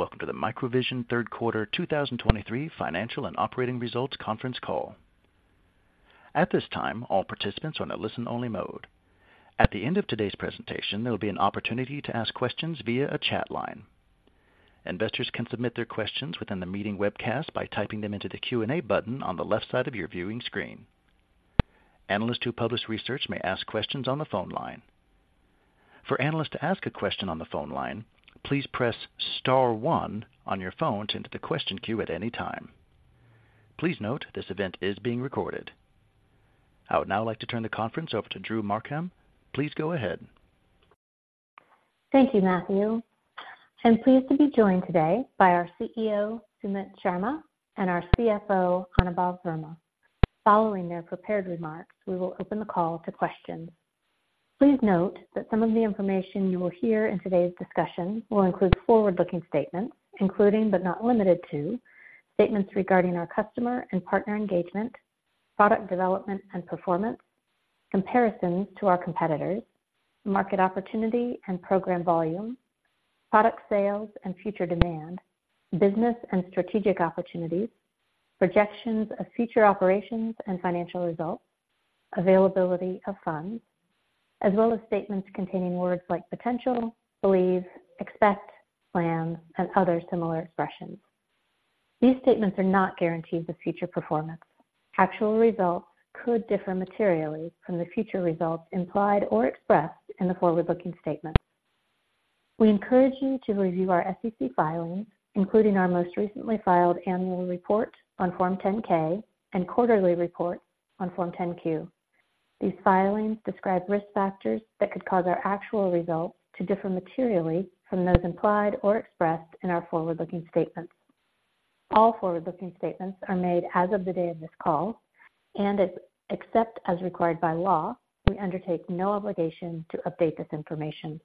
Welcome to the MicroVision Third Quarter 2023 Financial and Operating Results Conference Call. At this time, all participants are on a listen-only mode. At the end of today's presentation, there will be an opportunity to ask questions via a chat line. Investors can submit their questions within the meeting webcast by typing them into the Q&A button on the left side of your viewing screen. Analysts who publish research may ask questions on the phone line. For analysts to ask a question on the phone line, please press star one on your phone to enter the question queue at any time. Please note, this event is being recorded. I would now like to turn the conference over to Drew Markham. Please go ahead. Thank you, Matthew. I'm pleased to be joined today by our CEO, Sumit Sharma, and our CFO, Anubhav Verma. Following their prepared remarks, we will open the call to questions. Please note that some of the information you will hear in today's discussion will include forward-looking statements, including, but not limited to, statements regarding our customer and partner engagement, product development and performance, comparisons to our competitors, market opportunity and program volume, product sales and future demand, business and strategic opportunities, projections of future operations and financial results, availability of funds, as well as statements containing words like potential, believe, expect, plan, and other similar expressions. These statements are not guarantees of future performance. Actual results could differ materially from the future results implied or expressed in the forward-looking statements. We encourage you to review our SEC filings, including our most recently filed annual report on Form 10-K and quarterly report on Form 10-Q. These filings describe risk factors that could cause our actual results to differ materially from those implied or expressed in our forward-looking statements. All forward-looking statements are made as of the day of this call, and except as required by law, we undertake no obligation to update this information.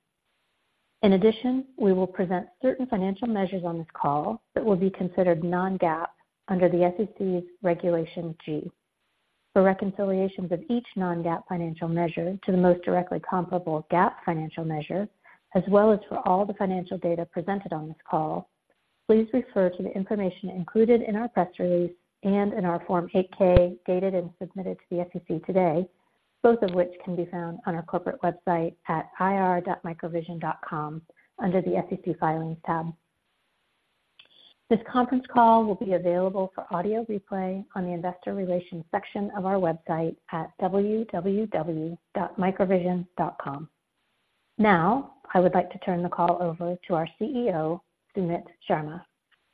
In addition, we will present certain financial measures on this call that will be considered non-GAAP under the SEC's Regulation G. For reconciliations of each non-GAAP financial measure to the most directly comparable GAAP financial measure, as well as for all the financial data presented on this call, please refer to the information included in our press release and in our Form 8-K, dated and submitted to the SEC today, both of which can be found on our corporate website at ir.microvision.com, under the SEC Filings tab. This conference call will be available for audio replay on the investor relations section of our website at www.microvision.com. Now, I would like to turn the call over to our CEO, Sumit Sharma.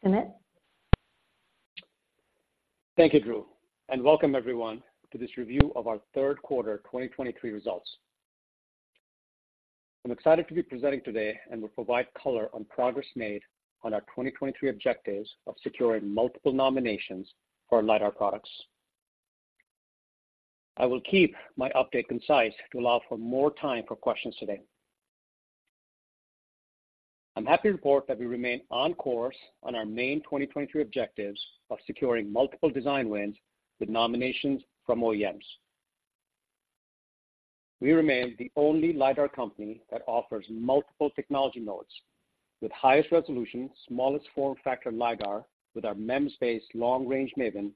Sumit? Thank you, Drew, and welcome everyone to this review of our third quarter 2023 results. I'm excited to be presenting today and will provide color on progress made on our 2023 objectives of securing multiple nominations for our LiDAR products. I will keep my update concise to allow for more time for questions today. I'm happy to report that we remain on course on our main 2023 objectives of securing multiple design wins with nominations from OEMs. We remain the only LiDAR company that offers multiple technology nodes with highest resolution, smallest form factor LiDAR with our MEMS-based long-range MAVIN,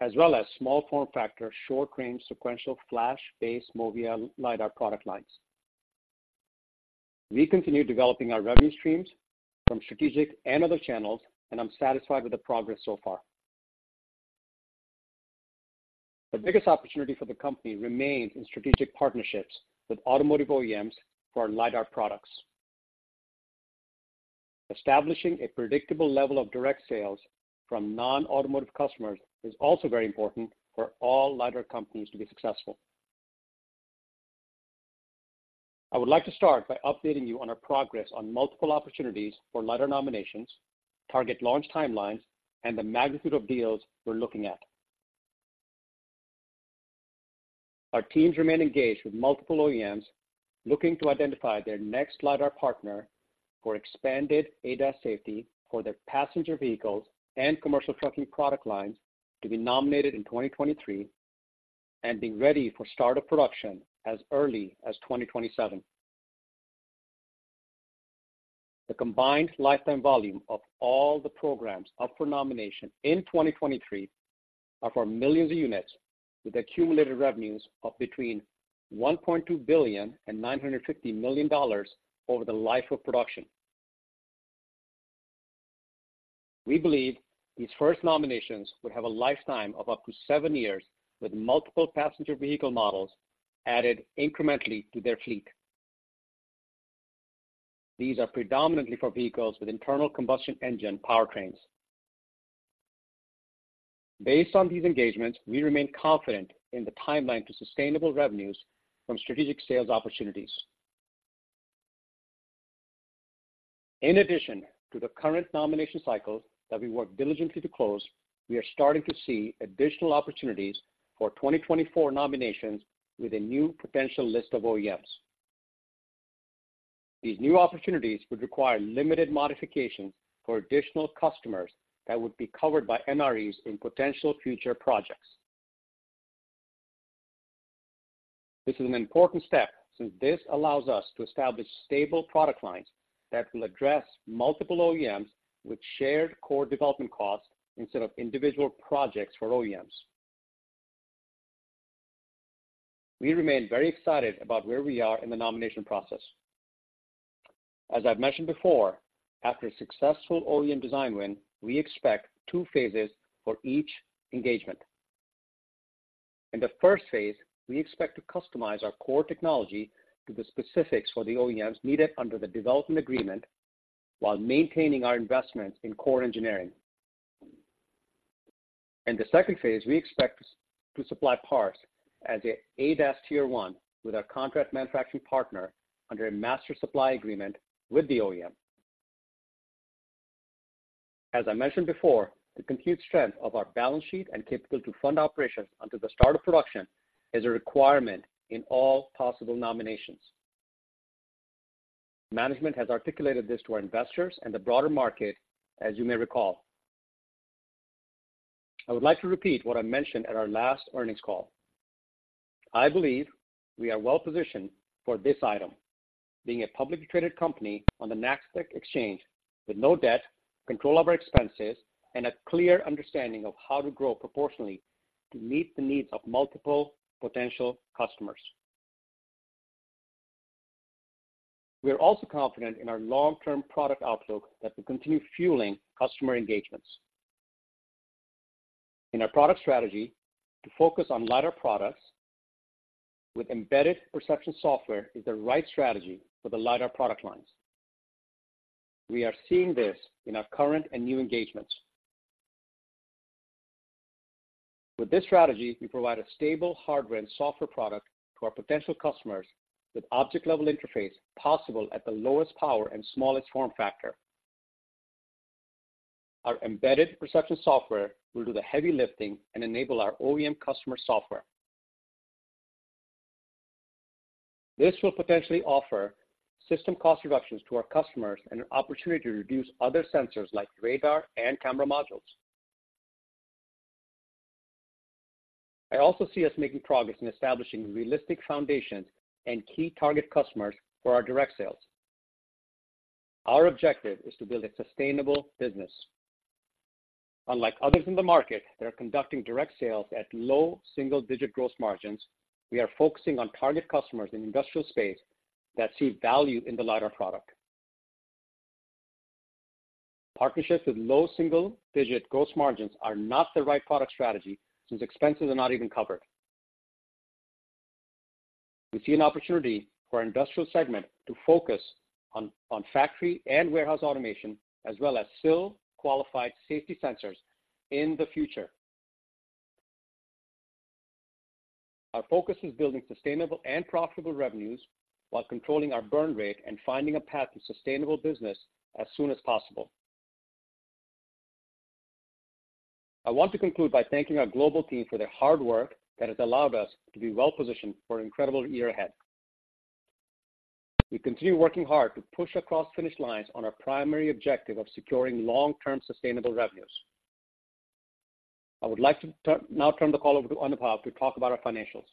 as well as small form factor, short-range, sequential flash-based MOVIA LiDAR product lines. We continue developing our revenue streams from strategic and other channels, and I'm satisfied with the progress so far. The biggest opportunity for the company remains in strategic partnerships with automotive OEMs for our LiDAR products. Establishing a predictable level of direct sales from non-automotive customers is also very important for all LiDAR companies to be successful. I would like to start by updating you on our progress on multiple opportunities for LiDAR nominations, target launch timelines, and the magnitude of deals we're looking at. Our teams remain engaged with multiple OEMs, looking to identify their next LiDAR partner for expanded ADAS safety for their passenger vehicles and commercial trucking product lines to be nominated in 2023 and be ready for start of production as early as 2027. The combined lifetime volume of all the programs up for nomination in 2023 are for millions of units, with accumulated revenues of between $1.2 billion and $950 million over the life of production. We believe these first nominations would have a lifetime of up to seven years, with multiple passenger vehicle models added incrementally to their fleet. These are predominantly for vehicles with internal combustion engine powertrains. Based on these engagements, we remain confident in the timeline to sustainable revenues from strategic sales opportunities. In addition to the current nomination cycles that we work diligently to close, we are starting to see additional opportunities for 2024 nominations with a new potential list of OEMs. These new opportunities would require limited modifications for additional customers that would be covered by NREs in potential future projects. This is an important step, since this allows us to establish stable product lines that will address multiple OEMs with shared core development costs, instead of individual projects for OEMs. We remain very excited about where we are in the nomination process. As I've mentioned before, after a successful OEM design win, we expect two phases for each engagement. In the first phase, we expect to customize our core technology to the specifics for the OEMs needed under the development agreement, while maintaining our investment in core engineering. In the second phase, we expect to supply parts as an ADAS Tier 1 with our contract manufacturing partner under a master supply agreement with the OEM. As I mentioned before, the financial strength of our balance sheet and capability to fund operations until the start of production is a requirement in all possible nominations. Management has articulated this to our investors and the broader market, as you may recall. I would like to repeat what I mentioned at our last earnings call. I believe we are well positioned for this item, being a publicly traded company on the Nasdaq Exchange, with no debt, control of our expenses, and a clear understanding of how to grow proportionately to meet the needs of multiple potential customers. We are also confident in our long-term product outlook that will continue fueling customer engagements. In our product strategy, to focus on lighter products with embedded perception software, is the right strategy for the LiDAR product lines. We are seeing this in our current and new engagements. With this strategy, we provide a stable hardware and software product to our potential customers, with object-level interface possible at the lowest power and smallest form factor. Our embedded perception software will do the heavy lifting and enable our OEM customer software. This will potentially offer system cost reductions to our customers and an opportunity to reduce other sensors like radar and camera modules. I also see us making progress in establishing realistic foundations and key target customers for our direct sales. Our objective is to build a sustainable business. Unlike others in the market that are conducting direct sales at low single-digit gross margins, we are focusing on target customers in industrial space that see value in the LiDAR product. Partnerships with low single-digit gross margins are not the right product strategy, since expenses are not even covered. We see an opportunity for our industrial segment to focus on factory and warehouse automation, as well as SIL qualified safety sensors in the future. Our focus is building sustainable and profitable revenues while controlling our burn rate and finding a path to sustainable business as soon as possible. I want to conclude by thanking our global team for their hard work that has allowed us to be well positioned for an incredible year ahead. We continue working hard to push across finish lines on our primary objective of securing long-term sustainable revenues. I would like to now turn the call over to Anubhav to talk about our financials.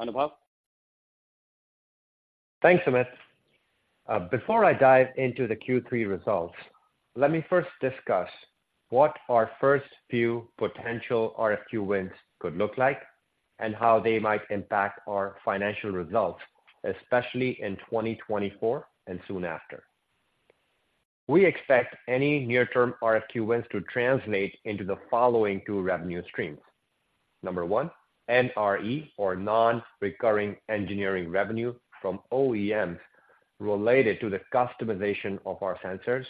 Anubhav? Thanks, Sumit. Before I dive into the Q3 results, let me first discuss what our first few potential RFQ wins could look like, and how they might impact our financial results, especially in 2024 and soon after. We expect any near-term RFQ wins to translate into the following two revenue streams. Number 1, NRE, or Non-Recurring Engineering revenue from OEMs related to the customization of our sensors.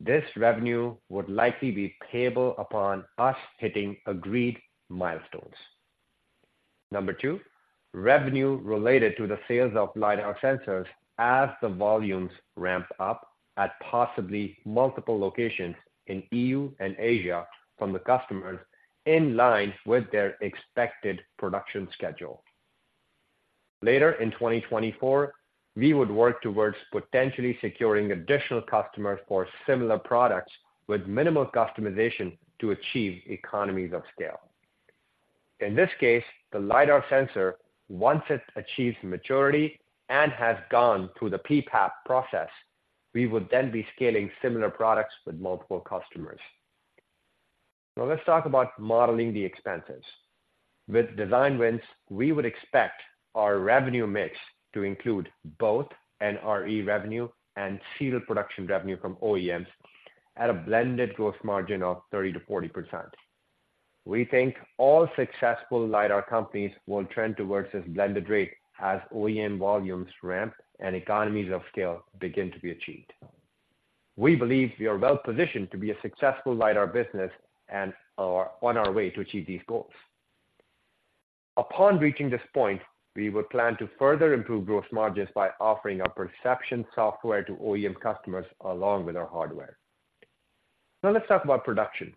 This revenue would likely be payable upon us hitting agreed milestones. Number 2, revenue related to the sales of LiDAR sensors as the volumes ramp up at possibly multiple locations in EU and Asia from the customers in line with their expected production schedule. Later in 2024, we would work towards potentially securing additional customers for similar products with minimal customization to achieve economies of scale. In this case, the LiDAR sensor, once it achieves maturity and has gone through the PPAP process, we would then be scaling similar products with multiple customers. Now, let's talk about modeling the expenses. With design wins, we would expect our revenue mix to include both NRE revenue and serial production revenue from OEMs at a blended gross margin of 30%-40%. We think all successful LiDAR companies will trend towards this blended rate as OEM volumes ramp and economies of scale begin to be achieved. We believe we are well positioned to be a successful LiDAR business and are on our way to achieve these goals. Upon reaching this point, we will plan to further improve gross margins by offering our perception software to OEM customers along with our hardware. Now, let's talk about production.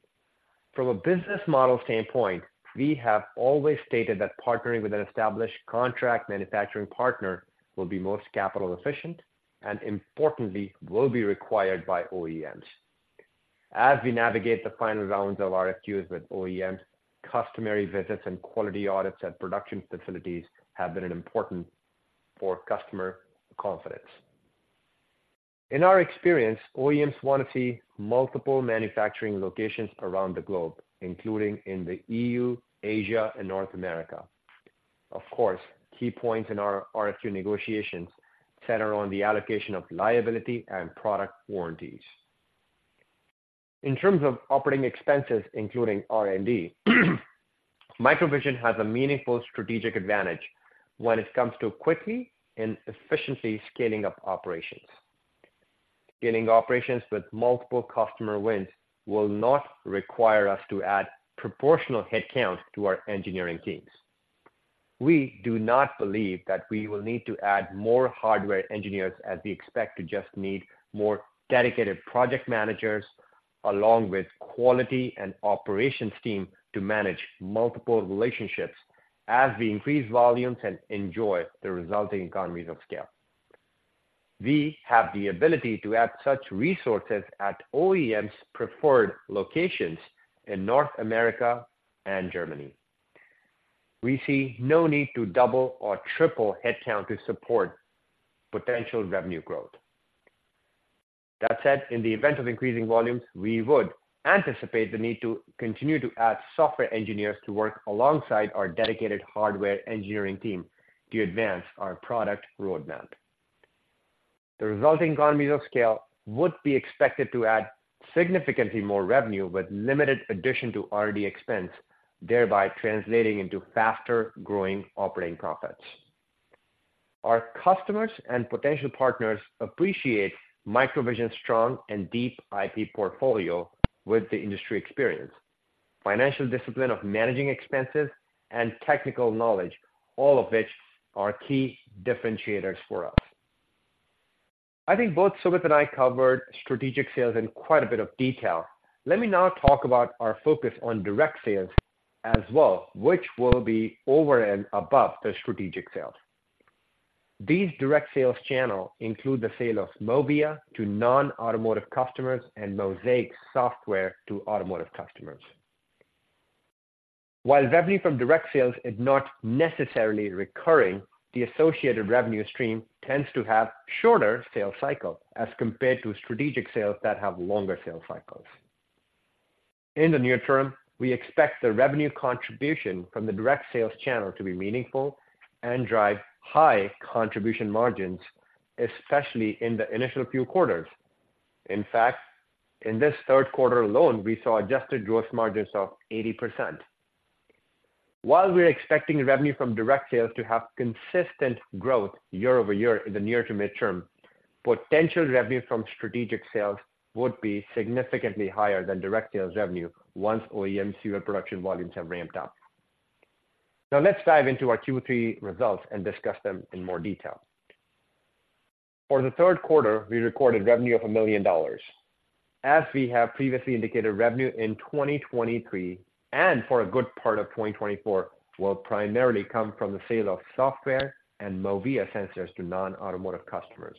From a business model standpoint, we have always stated that partnering with an established contract manufacturing partner will be most capital efficient and importantly, will be required by OEMs. As we navigate the final rounds of RFQs with OEMs, customary visits and quality audits at production facilities have been important for customer confidence. In our experience, OEMs want to see multiple manufacturing locations around the globe, including in the EU, Asia, and North America. Of course, key points in our RFQ negotiations center on the allocation of liability and product warranties. In terms of operating expenses, including R&D, MicroVision has a meaningful strategic advantage when it comes to quickly and efficiently scaling up operations. Scaling operations with multiple customer wins will not require us to add proportional headcount to our engineering teams. We do not believe that we will need to add more hardware engineers, as we expect to just need more dedicated project managers, along with quality and operations team to manage multiple relationships as we increase volumes and enjoy the resulting economies of scale. We have the ability to add such resources at OEM's preferred locations in North America and Germany. We see no need to double or triple headcount to support potential revenue growth. That said, in the event of increasing volumes, we would anticipate the need to continue to add software engineers to work alongside our dedicated hardware engineering team to advance our product roadmap. The resulting economies of scale would be expected to add significantly more revenue, with limited addition to R&D expense, thereby translating into faster growing operating profits. Our customers and potential partners appreciate MicroVision's strong and deep IP portfolio with the industry experience, financial discipline of managing expenses and technical knowledge, all of which are key differentiators for us. I think both Sumit and I covered strategic sales in quite a bit of detail. Let me now talk about our focus on direct sales as well, which will be over and above the strategic sales. These direct sales channel include the sale of MOVIA to non-automotive customers and MOSAIK software to automotive customers. While revenue from direct sales is not necessarily recurring, the associated revenue stream tends to have shorter sales cycle as compared to strategic sales that have longer sales cycles. In the near term, we expect the revenue contribution from the direct sales channel to be meaningful and drive high contribution margins, especially in the initial few quarters. In fact, in this third quarter alone, we saw adjusted gross margins of 80%. While we're expecting revenue from direct sales to have consistent growth year-over-year in the near to mid-term, potential revenue from strategic sales would be significantly higher than direct sales revenue once OEM serial production volumes have ramped up. Now, let's dive into our Q3 results and discuss them in more detail. For the third quarter, we recorded revenue of $1 million. As we have previously indicated, revenue in 2023, and for a good part of 2024, will primarily come from the sale of software and MOVIA sensors to non-automotive customers.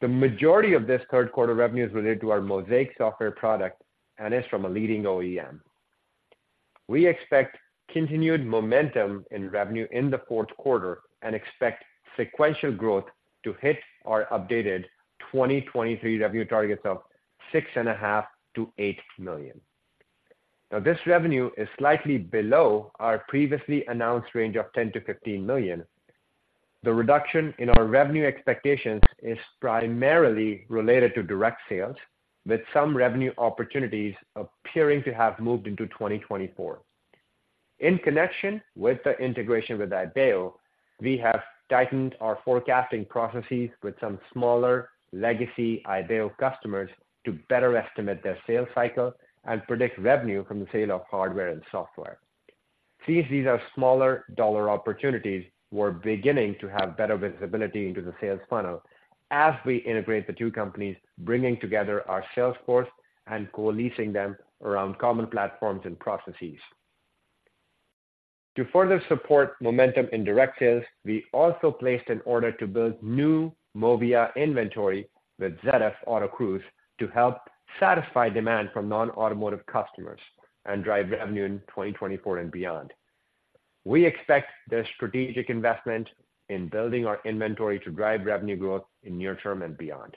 The majority of this third quarter revenue is related to our MOSAIK software product and is from a leading OEM. We expect continued momentum in revenue in the fourth quarter and expect sequential growth to hit our updated 2023 revenue targets of $6.5 million-$8 million. Now, this revenue is slightly below our previously announced range of $10 million-$15 million. The reduction in our revenue expectations is primarily related to direct sales, with some revenue opportunities appearing to have moved into 2024. In connection with the integration with Ibeo, we have tightened our forecasting processes with some smaller legacy Ibeo customers to better estimate their sales cycle and predict revenue from the sale of hardware and software. Since these are smaller dollar opportunities, we're beginning to have better visibility into the sales funnel as we integrate the two companies, bringing together our sales force and coalescing them around common platforms and processes. To further support momentum in direct sales, we also placed an order to build new MOVIA inventory with ZF Autocruise to help satisfy demand from non-automotive customers and drive revenue in 2024 and beyond. We expect this strategic investment in building our inventory to drive revenue growth in near term and beyond.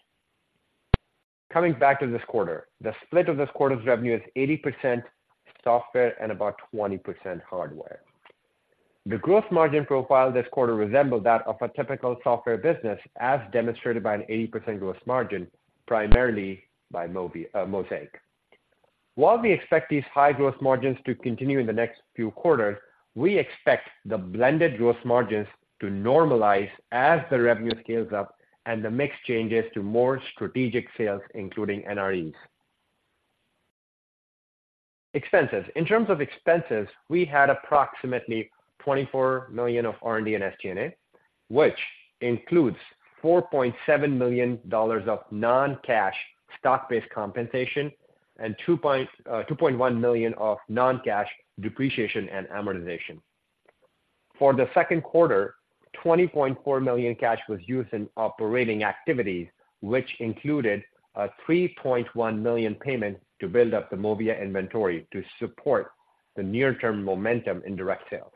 Coming back to this quarter, the split of this quarter's revenue is 80% software and about 20% hardware. The gross margins profile this quarter resembled that of a typical software business, as demonstrated by an 80% gross margin, primarily by MOVIA, MOSAIK. While we expect these high gross margins to continue in the next few quarters, we expect the blended gross margins to normalize as the revenue scales up and the mix changes to more strategic sales, including NREs. Expenses. In terms of expenses, we had approximately $24 million of R&D and SG&A, which includes $4.7 million of non-cash stock-based compensation and $2.1 million of non-cash depreciation and amortization. For the second quarter, $20.4 million cash was used in operating activities, which included a $3.1 million payment to build up the MOVIA inventory to support the near-term momentum in direct sales.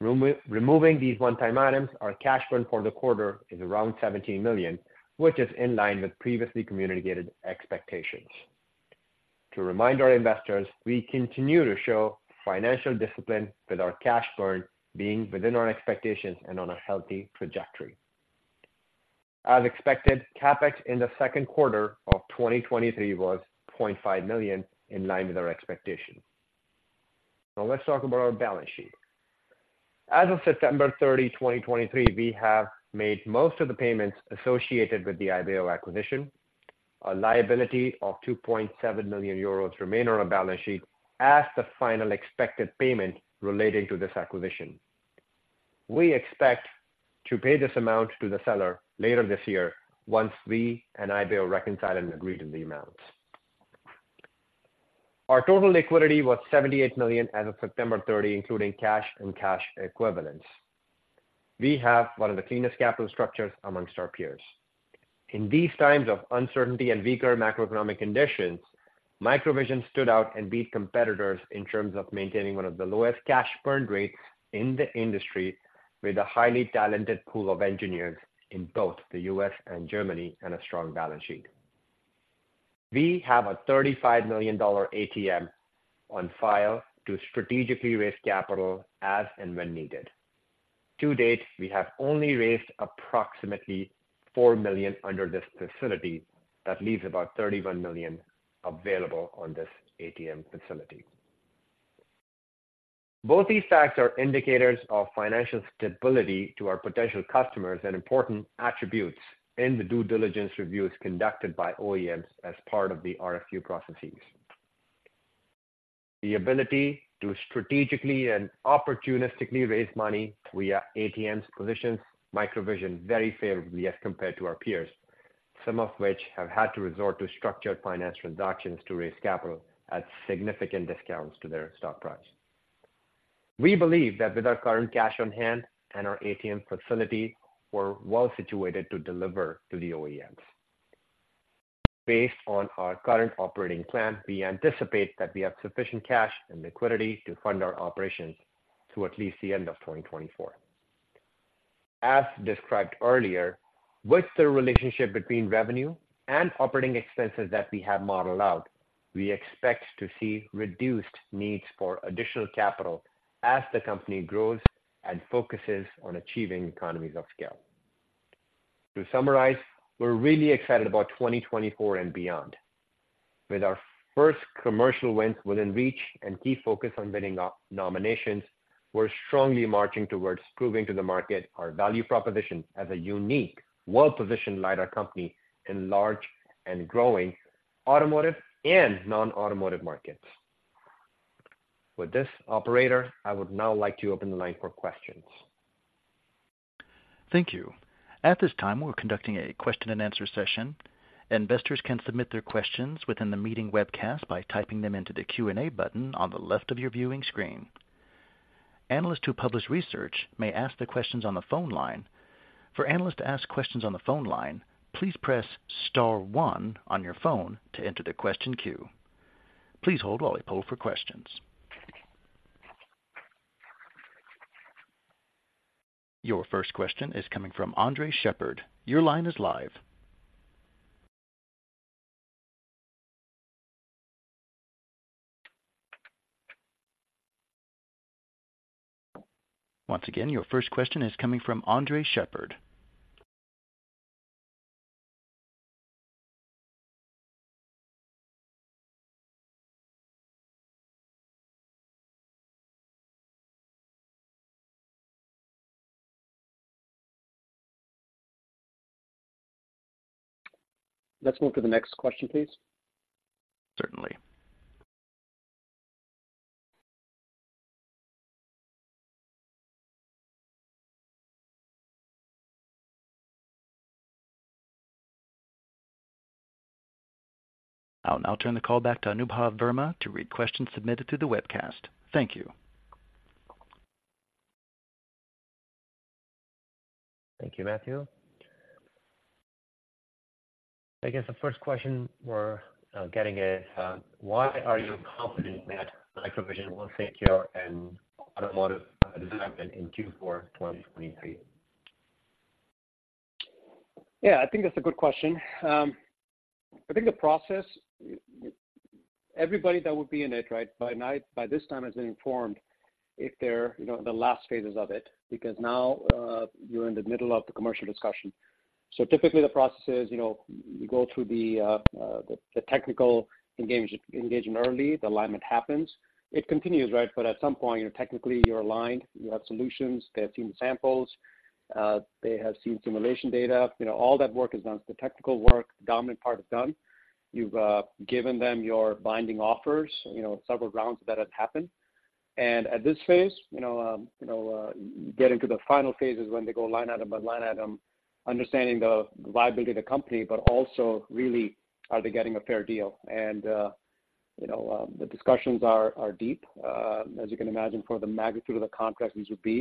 Removing these one-time items, our cash burn for the quarter is around $17 million, which is in line with previously communicated expectations. To remind our investors, we continue to show financial discipline, with our cash burn being within our expectations and on a healthy trajectory. As expected, CapEx in the second quarter of 2023 was $0.5 million, in line with our expectation. Now, let's talk about our balance sheet. As of September 30, 2023, we have made most of the payments associated with the Ibeo acquisition. A liability of 2.7 million euros remains on our balance sheet as the final expected payment relating to this acquisition. We expect to pay this amount to the seller later this year, once we and Ibeo reconcile and agree to the amounts. Our total liquidity was $78 million as of September 30, including cash and cash equivalents. We have one of the cleanest capital structures amongst our peers. In these times of uncertainty and weaker macroeconomic conditions, MicroVision stood out and beat competitors in terms of maintaining one of the lowest cash burn rates in the industry, with a highly talented pool of engineers in both the U.S. and Germany, and a strong balance sheet. We have a $35 million ATM on file to strategically raise capital as and when needed. To date, we have only raised approximately $4 million under this facility. That leaves about $31 million available on this ATM facility. Both these facts are indicators of financial stability to our potential customers and important attributes in the due diligence reviews conducted by OEMs as part of the RFQ processes. The ability to strategically and opportunistically raise money via ATMs positions MicroVision very favorably as compared to our peers, some of which have had to resort to structured financial transactions to raise capital at significant discounts to their stock price. We believe that with our current cash on hand and our ATM facility, we're well situated to deliver to the OEMs. Based on our current operating plan, we anticipate that we have sufficient cash and liquidity to fund our operations through at least the end of 2024. As described earlier, with the relationship between revenue and operating expenses that we have modeled out, we expect to see reduced needs for additional capital as the company grows and focuses on achieving economies of scale. To summarize, we're really excited about 2024 and beyond. With our first commercial wins within reach and key focus on winning nominations, we're strongly marching towards proving to the market our value proposition as a unique, well-positioned LiDAR company in large and growing automotive and non-automotive markets. With this, operator, I would now like to open the line for questions. Thank you. At this time, we're conducting a question-and-answer session. Investors can submit their questions within the meeting webcast by typing them into the Q&A button on the left of your viewing screen. Analysts who publish research may ask the questions on the phone line. For analysts to ask questions on the phone line, please press star one on your phone to enter the question queue. Please hold while we pull for questions. Your first question is coming from Andres Sheppard. Your line is live. Once again, your first question is coming from Andres Sheppard. Let's move to the next question, please. Certainly. I'll now turn the call back to Anubhav Verma to read questions submitted through the webcast. Thank you. Thank you, Matthew. I guess the first question we're getting is why are you confident that MicroVision will secure an automotive design win in Q4 2023? Yeah, I think that's a good question. I think the process, everybody that would be in it, right, by now, by this time has been informed if they're, you know, in the last phases of it, because now, you're in the middle of the commercial discussion. So typically, the process is, you know, you go through the technical engagement early, the alignment happens. It continues, right? But at some point, you know, technically you're aligned. You have solutions. They have seen the samples. They have seen simulation data. You know, all that work is done. The technical work, dominant part is done. You've given them your binding offers, you know, several rounds that have happened. And at this phase, you know, you know, get into the final phases when they go line item by line item, understanding the viability of the company, but also really, are they getting a fair deal? And,... you know, the discussions are deep, as you can imagine, for the magnitude of the contract these would be,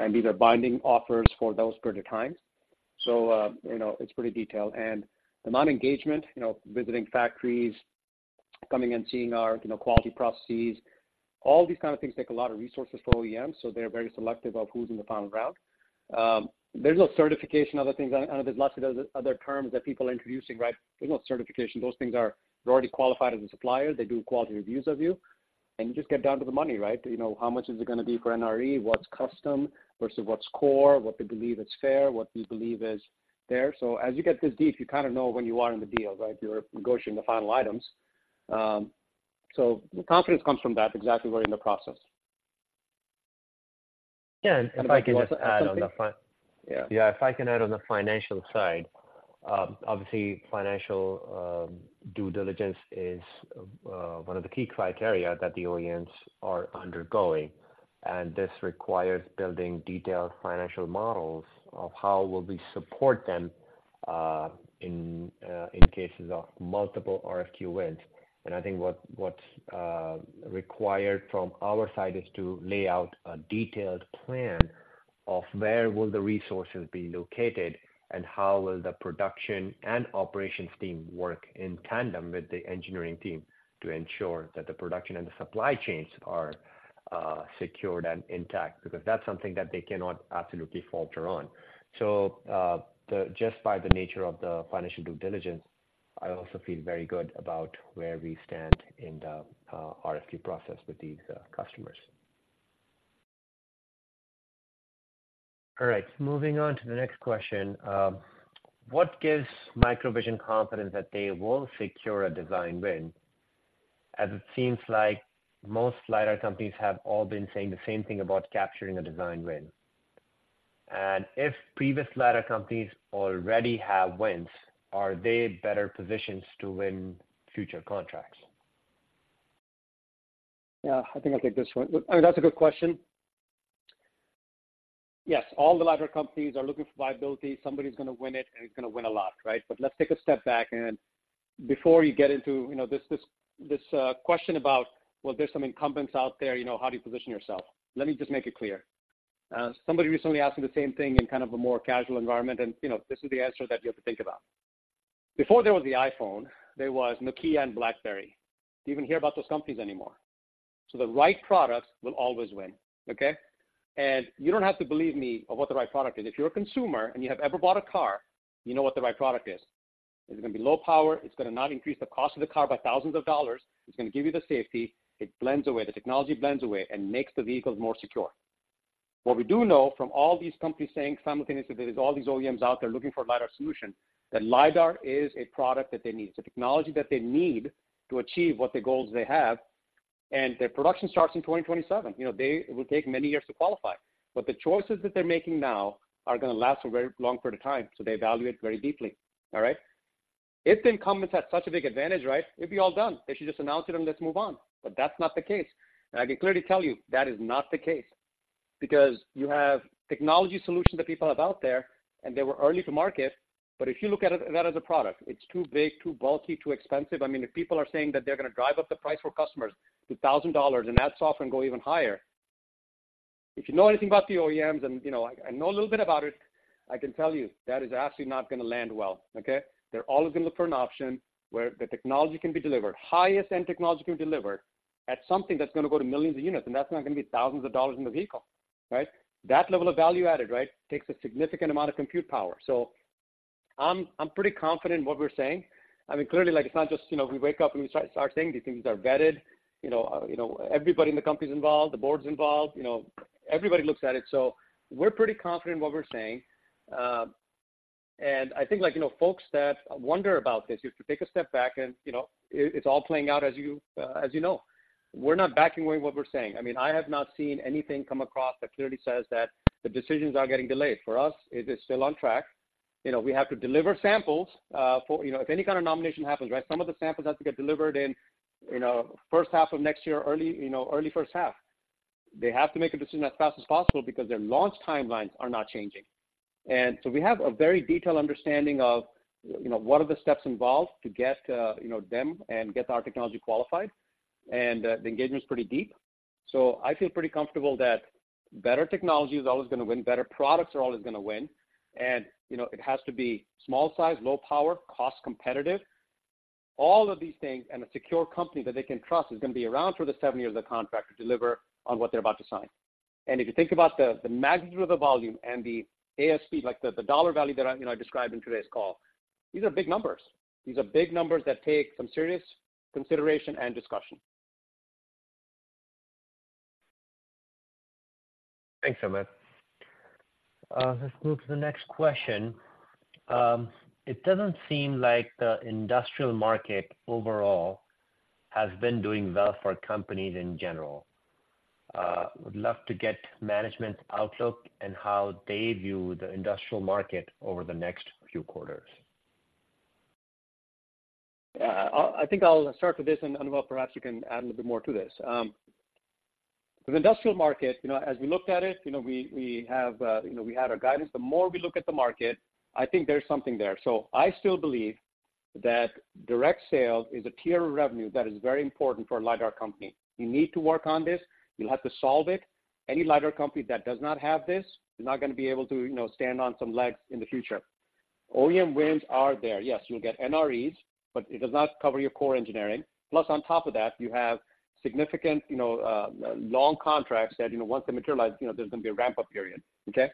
and these are binding offers for those period of times. So, you know, it's pretty detailed. And the amount of engagement, you know, visiting factories, coming and seeing our, you know, quality processes, all these kind of things take a lot of resources for OEMs, so they're very selective of who's in the final round. There's no certification, other things—I know there's lots of other terms that people are introducing, right? There's no certification. Those things are, they're already qualified as a supplier. They do quality reviews of you, and you just get down to the money, right? You know, how much is it gonna be for NRE? What's custom versus what's core? What they believe is fair, what we believe is fair. So as you get this deep, you kind of know where you are in the deal, right? You're negotiating the final items. So the confidence comes from that, exactly where in the process. Yeah, and if I can just add on the fi- Yeah. Yeah, if I can add on the financial side. Obviously, financial due diligence is one of the key criteria that the OEMs are undergoing, and this requires building detailed financial models of how will we support them in cases of multiple RFQ wins. And I think what's required from our side is to lay out a detailed plan of where will the resources be located, and how will the production and operations team work in tandem with the engineering team to ensure that the production and the supply chains are secured and intact, because that's something that they cannot absolutely falter on. So, just by the nature of the financial due diligence, I also feel very good about where we stand in the RFQ process with these customers. All right, moving on to the next question. What gives MicroVision confidence that they will secure a design win? As it seems like most LiDAR companies have all been saying the same thing about capturing a design win. If previous LiDAR companies already have wins, are they better positioned to win future contracts? Yeah, I think I'll take this one. I mean, that's a good question. Yes, all the LiDAR companies are looking for viability. Somebody's gonna win it, and it's gonna win a lot, right? But let's take a step back, and before you get into, you know, this question about, well, there's some incumbents out there, you know, how do you position yourself? Let me just make it clear. Somebody recently asked me the same thing in kind of a more casual environment, and, you know, this is the answer that you have to think about. Before there was the iPhone, there was Nokia and BlackBerry. Do you even hear about those companies anymore? So the right product will always win, okay? And you don't have to believe me of what the right product is. If you're a consumer, and you have ever bought a car, you know what the right product is. It's gonna be low power. It's gonna not increase the cost of the car by thousands of dollars. It's gonna give you the safety. It blends away. The technology blends away and makes the vehicles more secure. What we do know from all these companies saying simultaneously, there's all these OEMs out there looking for a LiDAR solution, that LiDAR is a product that they need. It's a technology that they need to achieve what the goals they have, and their production starts in 2027. You know, they will take many years to qualify, but the choices that they're making now are gonna last for a very long period of time, so they evaluate very deeply. All right? If the incumbents had such a big advantage, right, it'd be all done. They should just announce it and let's move on. But that's not the case. And I can clearly tell you, that is not the case, because you have technology solutions that people have out there, and they were early to market. But if you look at it, that as a product, it's too big, too bulky, too expensive. I mean, if people are saying that they're gonna drive up the price for customers to $1,000, and that's often go even higher. If you know anything about the OEMs, and, you know, I, I know a little bit about it, I can tell you, that is absolutely not gonna land well, okay? They're always gonna look for an option where the technology can be delivered. Highest-end technology can be delivered at something that's gonna go to millions of units, and that's not gonna be thousands of dollars in the vehicle, right? That level of value added, right, takes a significant amount of compute power. So I'm pretty confident in what we're saying. I mean, clearly, like, it's not just, you know, we wake up and we start saying these things are vetted. You know, everybody in the company is involved, the board's involved, you know, everybody looks at it. So we're pretty confident in what we're saying. And I think, like, you know, folks that wonder about this, you have to take a step back and, you know, it's all playing out as you, as you know. We're not backing away what we're saying. I mean, I have not seen anything come across that clearly says that the decisions are getting delayed. For us, it is still on track. You know, we have to deliver samples for... You know, if any kind of nomination happens, right, some of the samples have to get delivered in, you know, first half of next year, early, you know, early first half. They have to make a decision as fast as possible because their launch timelines are not changing. And so we have a very detailed understanding of, you know, what are the steps involved to get, you know, them and get our technology qualified, and the engagement is pretty deep. So I feel pretty comfortable that better technology is always gonna win, better products are always gonna win. You know, it has to be small size, low power, cost competitive, all of these things, and a secure company that they can trust is gonna be around for the seven years of the contract to deliver on what they're about to sign. If you think about the magnitude of the volume and the ASP, like the dollar value that I, you know, I described in today's call, these are big numbers. These are big numbers that take some serious consideration and discussion. Thanks, Sumit. Let's move to the next question. It doesn't seem like the industrial market overall has been doing well for companies in general. Would love to get management's outlook and how they view the industrial market over the next few quarters? Yeah, I think I'll start with this, and Anubhav, perhaps you can add a little bit more to this. The industrial market, you know, as we looked at it, you know, we have, you know, we had our guidance. The more we look at the market, I think there's something there. So I still believe that direct sales is a tier of revenue that is very important for a LiDAR company. You need to work on this. You'll have to solve it. Any LiDAR company that does not have this is not gonna be able to, you know, stand on some legs in the future. OEM wins are there. Yes, you'll get NREs, but it does not cover your core engineering. Plus, on top of that, you have significant, you know, long contracts that, you know, once they materialize, you know, there's gonna be a ramp-up period, okay?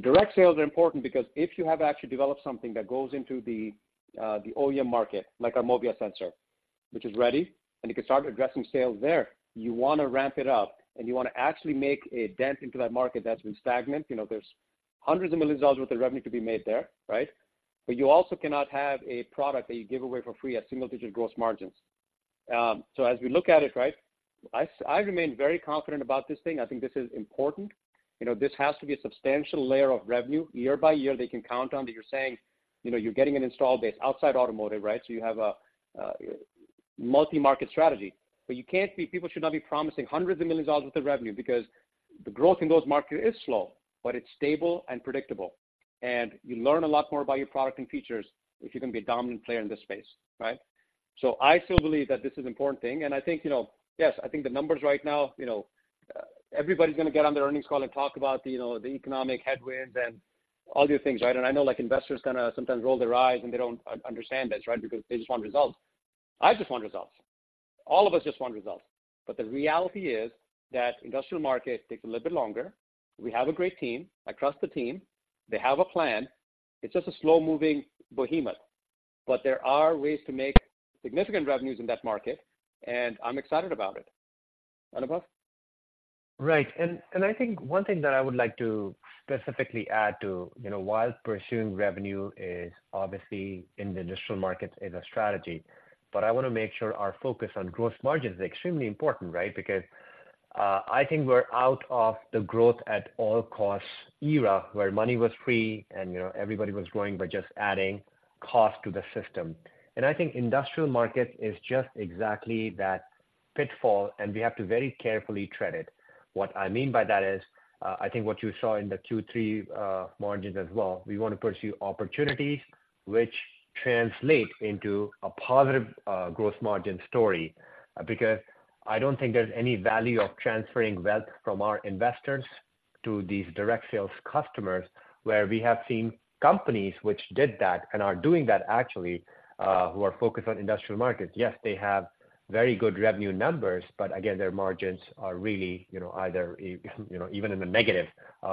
Direct sales are important because if you have actually developed something that goes into the OEM market, like our MOVIA sensor, which is ready, and you can start addressing sales there, you wanna ramp it up, and you wanna actually make a dent into that market that's been stagnant. You know, there's hundreds of millions dollars worth of revenue to be made there, right? But you also cannot have a product that you give away for free at single-digit gross margins. So as we look at it, right, I remain very confident about this thing. I think this is important. You know, this has to be a substantial layer of revenue, year by year, they can count on, that you're saying, you know, you're getting an install base outside automotive, right? So you have a multi-market strategy. But you can't be, people should not be promising hundreds of millions of dollars worth of revenue because the growth in those markets is slow, but it's stable and predictable. And you learn a lot more about your product and features, if you're gonna be a dominant player in this space, right? So I still believe that this is an important thing, and I think, you know, yes, I think the numbers right now, you know, everybody's gonna get on their earnings call and talk about the, you know, the economic headwinds and all these things, right? I know, like, investors kinda sometimes roll their eyes and they don't understand this, right? Because they just want results. I just want results. All of us just want results. The reality is that industrial market takes a little bit longer. We have a great team. I trust the team. They have a plan. It's just a slow-moving behemoth. There are ways to make significant revenues in that market, and I'm excited about it. Anubhav? Right. I think one thing that I would like to specifically add to, you know, while pursuing revenue is obviously in the industrial markets is a strategy. But I wanna make sure our focus on gross margin is extremely important, right? Because I think we're out of the growth at all costs era, where money was free and, you know, everybody was growing by just adding cost to the system. And I think industrial market is just exactly that pitfall, and we have to very carefully tread it. What I mean by that is, I think what you saw in the Q3 margins as well, we wanna pursue opportunities which translate into a positive gross margin story. Because I don't think there's any value of transferring wealth from our investors to these direct sales customers, where we have seen companies which did that and are doing that actually, who are focused on industrial markets. Yes, they have very good revenue numbers, but again, their margins are really, you know, either, you know, even in the negative,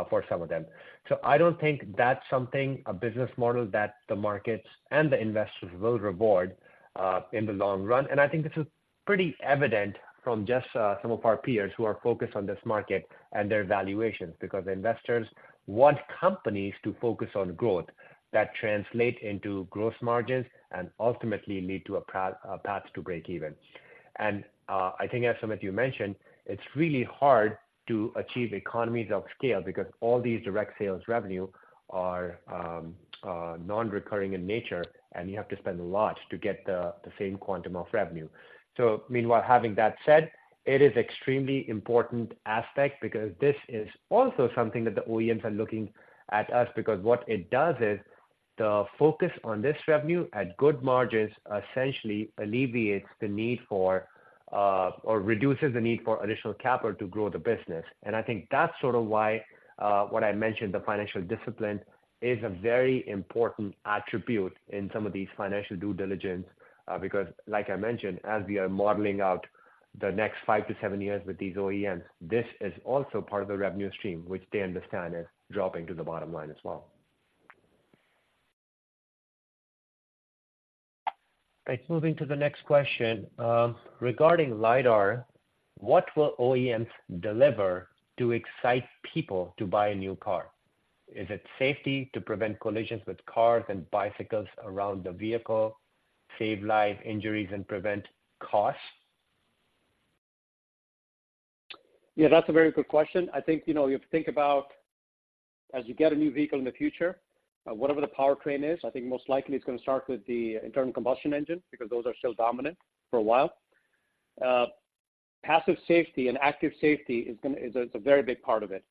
for some of them. So I don't think that's something, a business model that the markets and the investors will reward, in the long run. And I think this is pretty evident from just, some of our peers who are focused on this market and their valuations, because investors want companies to focus on growth that translate into gross margins and ultimately lead to a path, a path to break even. I think as Anubhav, you mentioned, it's really hard to achieve economies of scale because all these direct sales revenue are non-recurring in nature, and you have to spend a lot to get the same quantum of revenue. Meanwhile, having that said, it is extremely important aspect because this is also something that the OEMs are looking at us, because what it does is the focus on this revenue at good margins essentially alleviates the need for or reduces the need for additional capital to grow the business. And I think that's sort of why what I mentioned, the financial discipline, is a very important attribute in some of these financial due diligence. Because, like I mentioned, as we are modeling out the next 5-7 years with these OEMs, this is also part of the revenue stream, which they understand is dropping to the bottom line as well. Right. Moving to the next question. Regarding LiDAR, what will OEMs deliver to excite people to buy a new car? Is it safety to prevent collisions with cars and bicycles around the vehicle, save life, injuries, and prevent costs? Yeah, that's a very good question. I think, you know, if you think about as you get a new vehicle in the future, whatever the powertrain is, I think most likely it's gonna start with the internal combustion engine, because those are still dominant for a while. Passive safety and active safety is gonna-- is a, is a very big part of it.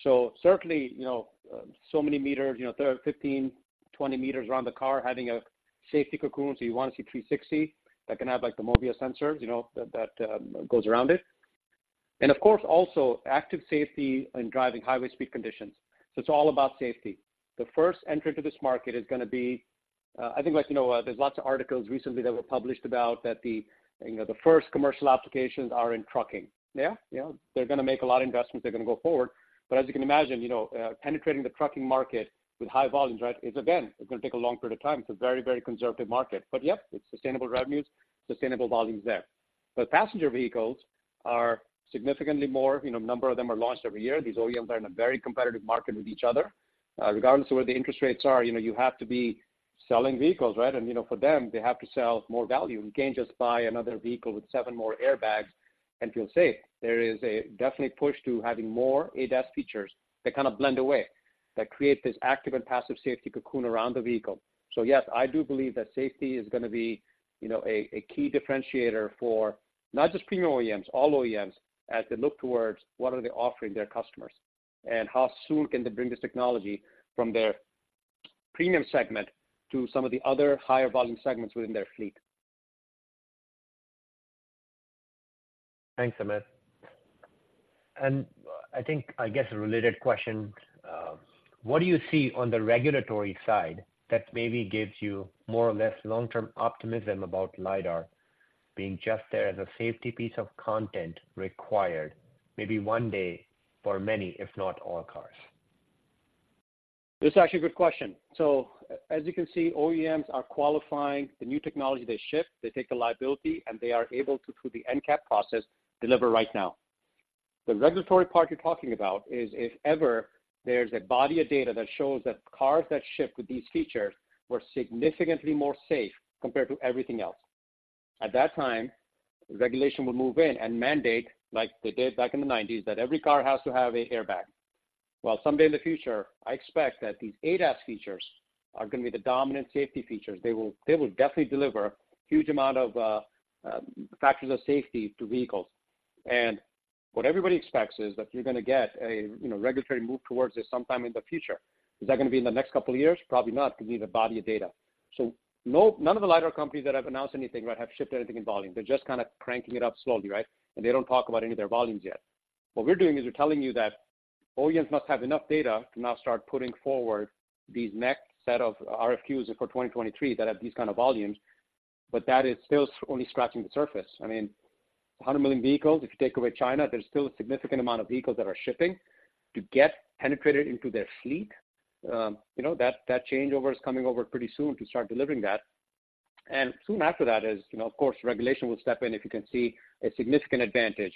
So certainly, you know, so many meters, you know, there are 15, 20 meters around the car having a safety cocoon, so you wanna see 360-degree, that can have, like, the MOVIA sensor, you know, that, that, goes around it. And of course, also active safety and driving highway speed conditions. So it's all about safety. The first entry to this market is gonna be... I think, like, you know, there's lots of articles recently that were published about that the, you know, the first commercial applications are in trucking. Yeah, you know, they're gonna make a lot of investments, they're gonna go forward. But as you can imagine, you know, penetrating the trucking market with high volumes, right, is, again, it's gonna take a long period of time. It's a very, very conservative market. But yep, it's sustainable revenues, sustainable volumes there. But passenger vehicles are significantly more, you know, a number of them are launched every year. These OEMs are in a very competitive market with each other. Regardless of where the interest rates are, you know, you have to be selling vehicles, right? And, you know, for them, they have to sell more value. You can't just buy another vehicle with seven more airbags and feel safe. There is a definite push to having more ADAS features that kind of blend away... that create this active and passive safety cocoon around the vehicle. So yes, I do believe that safety is gonna be, you know, a key differentiator for not just premium OEMs, all OEMs, as they look towards what are they offering their customers, and how soon can they bring this technology from their premium segment to some of the other higher volume segments within their fleet. Thanks, Sumit. I think, I guess a related question, what do you see on the regulatory side that maybe gives you more or less long-term optimism about LiDAR being just there as a safety piece of content required, maybe one day for many, if not all, cars? This is actually a good question. So as you can see, OEMs are qualifying the new technology. They ship, they take the liability, and they are able to, through the NCAP process, deliver right now. The regulatory part you're talking about is if ever there's a body of data that shows that cars that ship with these features were significantly more safe compared to everything else. At that time, regulation will move in and mandate, like they did back in the nineties, that every car has to have a airbag. Well, someday in the future, I expect that these ADAS features are gonna be the dominant safety features. They will, they will definitely deliver huge amount of factors of safety to vehicles. And what everybody expects is that you're gonna get a, you know, regulatory move towards this sometime in the future. Is that gonna be in the next couple of years? Probably not, because we need a body of data. So none of the LiDAR companies that have announced anything about have shipped anything in volume. They're just kind of cranking it up slowly, right? And they don't talk about any of their volumes yet. What we're doing is we're telling you that OEMs must have enough data to now start putting forward these next set of RFQs for 2023 that have these kind of volumes, but that is still only scratching the surface. I mean, 100 million vehicles, if you take away China, there's still a significant amount of vehicles that are shipping. To get penetrated into their fleet, you know, that, that changeover is coming over pretty soon to start delivering that. Soon after that is, you know, of course, regulation will step in if you can see a significant advantage,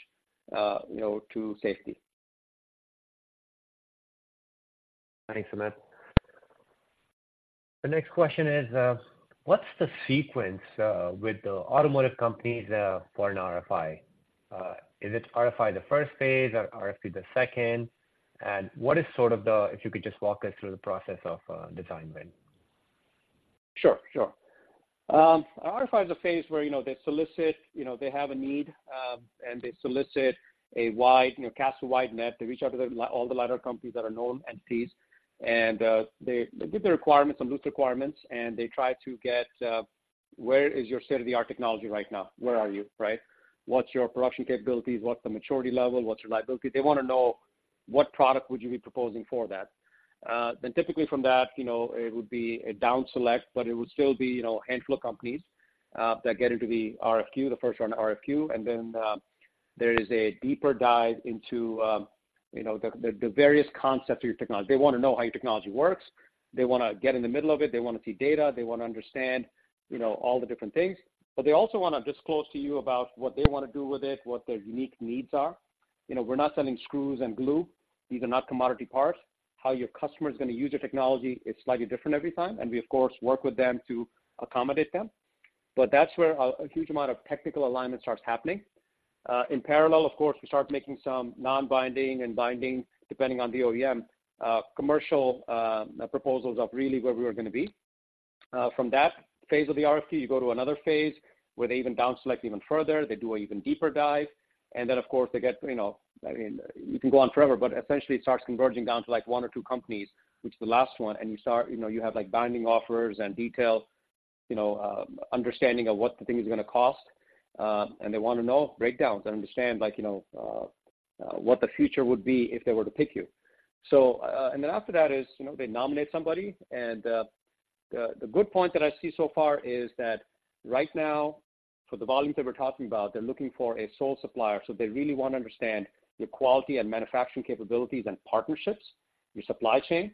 you know, to safety. Thanks, Sumit. The next question is, what's the sequence with the automotive companies for an RFI? Is it RFI the first phase or RFP the second? And what is sort of the—if you could just walk us through the process of design win. Sure, sure. RFI is a phase where, you know, they solicit, you know, they have a need, and they solicit a wide, you know, cast a wide net. They reach out to all the LiDAR companies that are known entities, and they give their requirements, some loose requirements, and they try to get where is your state-of-the-art technology right now? Where are you, right? What's your production capabilities? What's the maturity level? What's your liability? They wanna know what product would you be proposing for that. Then typically from that, you know, it would be a down select, but it would still be, you know, a handful of companies that get into the RFQ, the first round RFQ. And then there is a deeper dive into, you know, the various concepts of your technology. They wanna know how your technology works. They wanna get in the middle of it. They wanna see data. They wanna understand, you know, all the different things. But they also wanna disclose to you about what they wanna do with it, what their unique needs are. You know, we're not selling screws and glue. These are not commodity parts. How your customer is gonna use your technology, it's slightly different every time, and we, of course, work with them to accommodate them. But that's where a huge amount of technical alignment starts happening. In parallel, of course, we start making some non-binding and binding, depending on the OEM, commercial proposals of really where we are gonna be. From that phase of the RFP, you go to another phase where they even down select even further. They do an even deeper dive. Then, of course, they get, you know, I mean, you can go on forever, but essentially it starts converging down to, like, one or two companies, which is the last one. You start. You know, you have, like, binding offers and detail, you know, understanding of what the thing is gonna cost, and they wanna know breakdowns and understand, like, you know, what the future would be if they were to pick you. So, and then after that is, you know, they nominate somebody. The good point that I see so far is that right now, for the volumes that we're talking about, they're looking for a sole supplier. So they really wanna understand your quality and manufacturing capabilities and partnerships, your supply chain,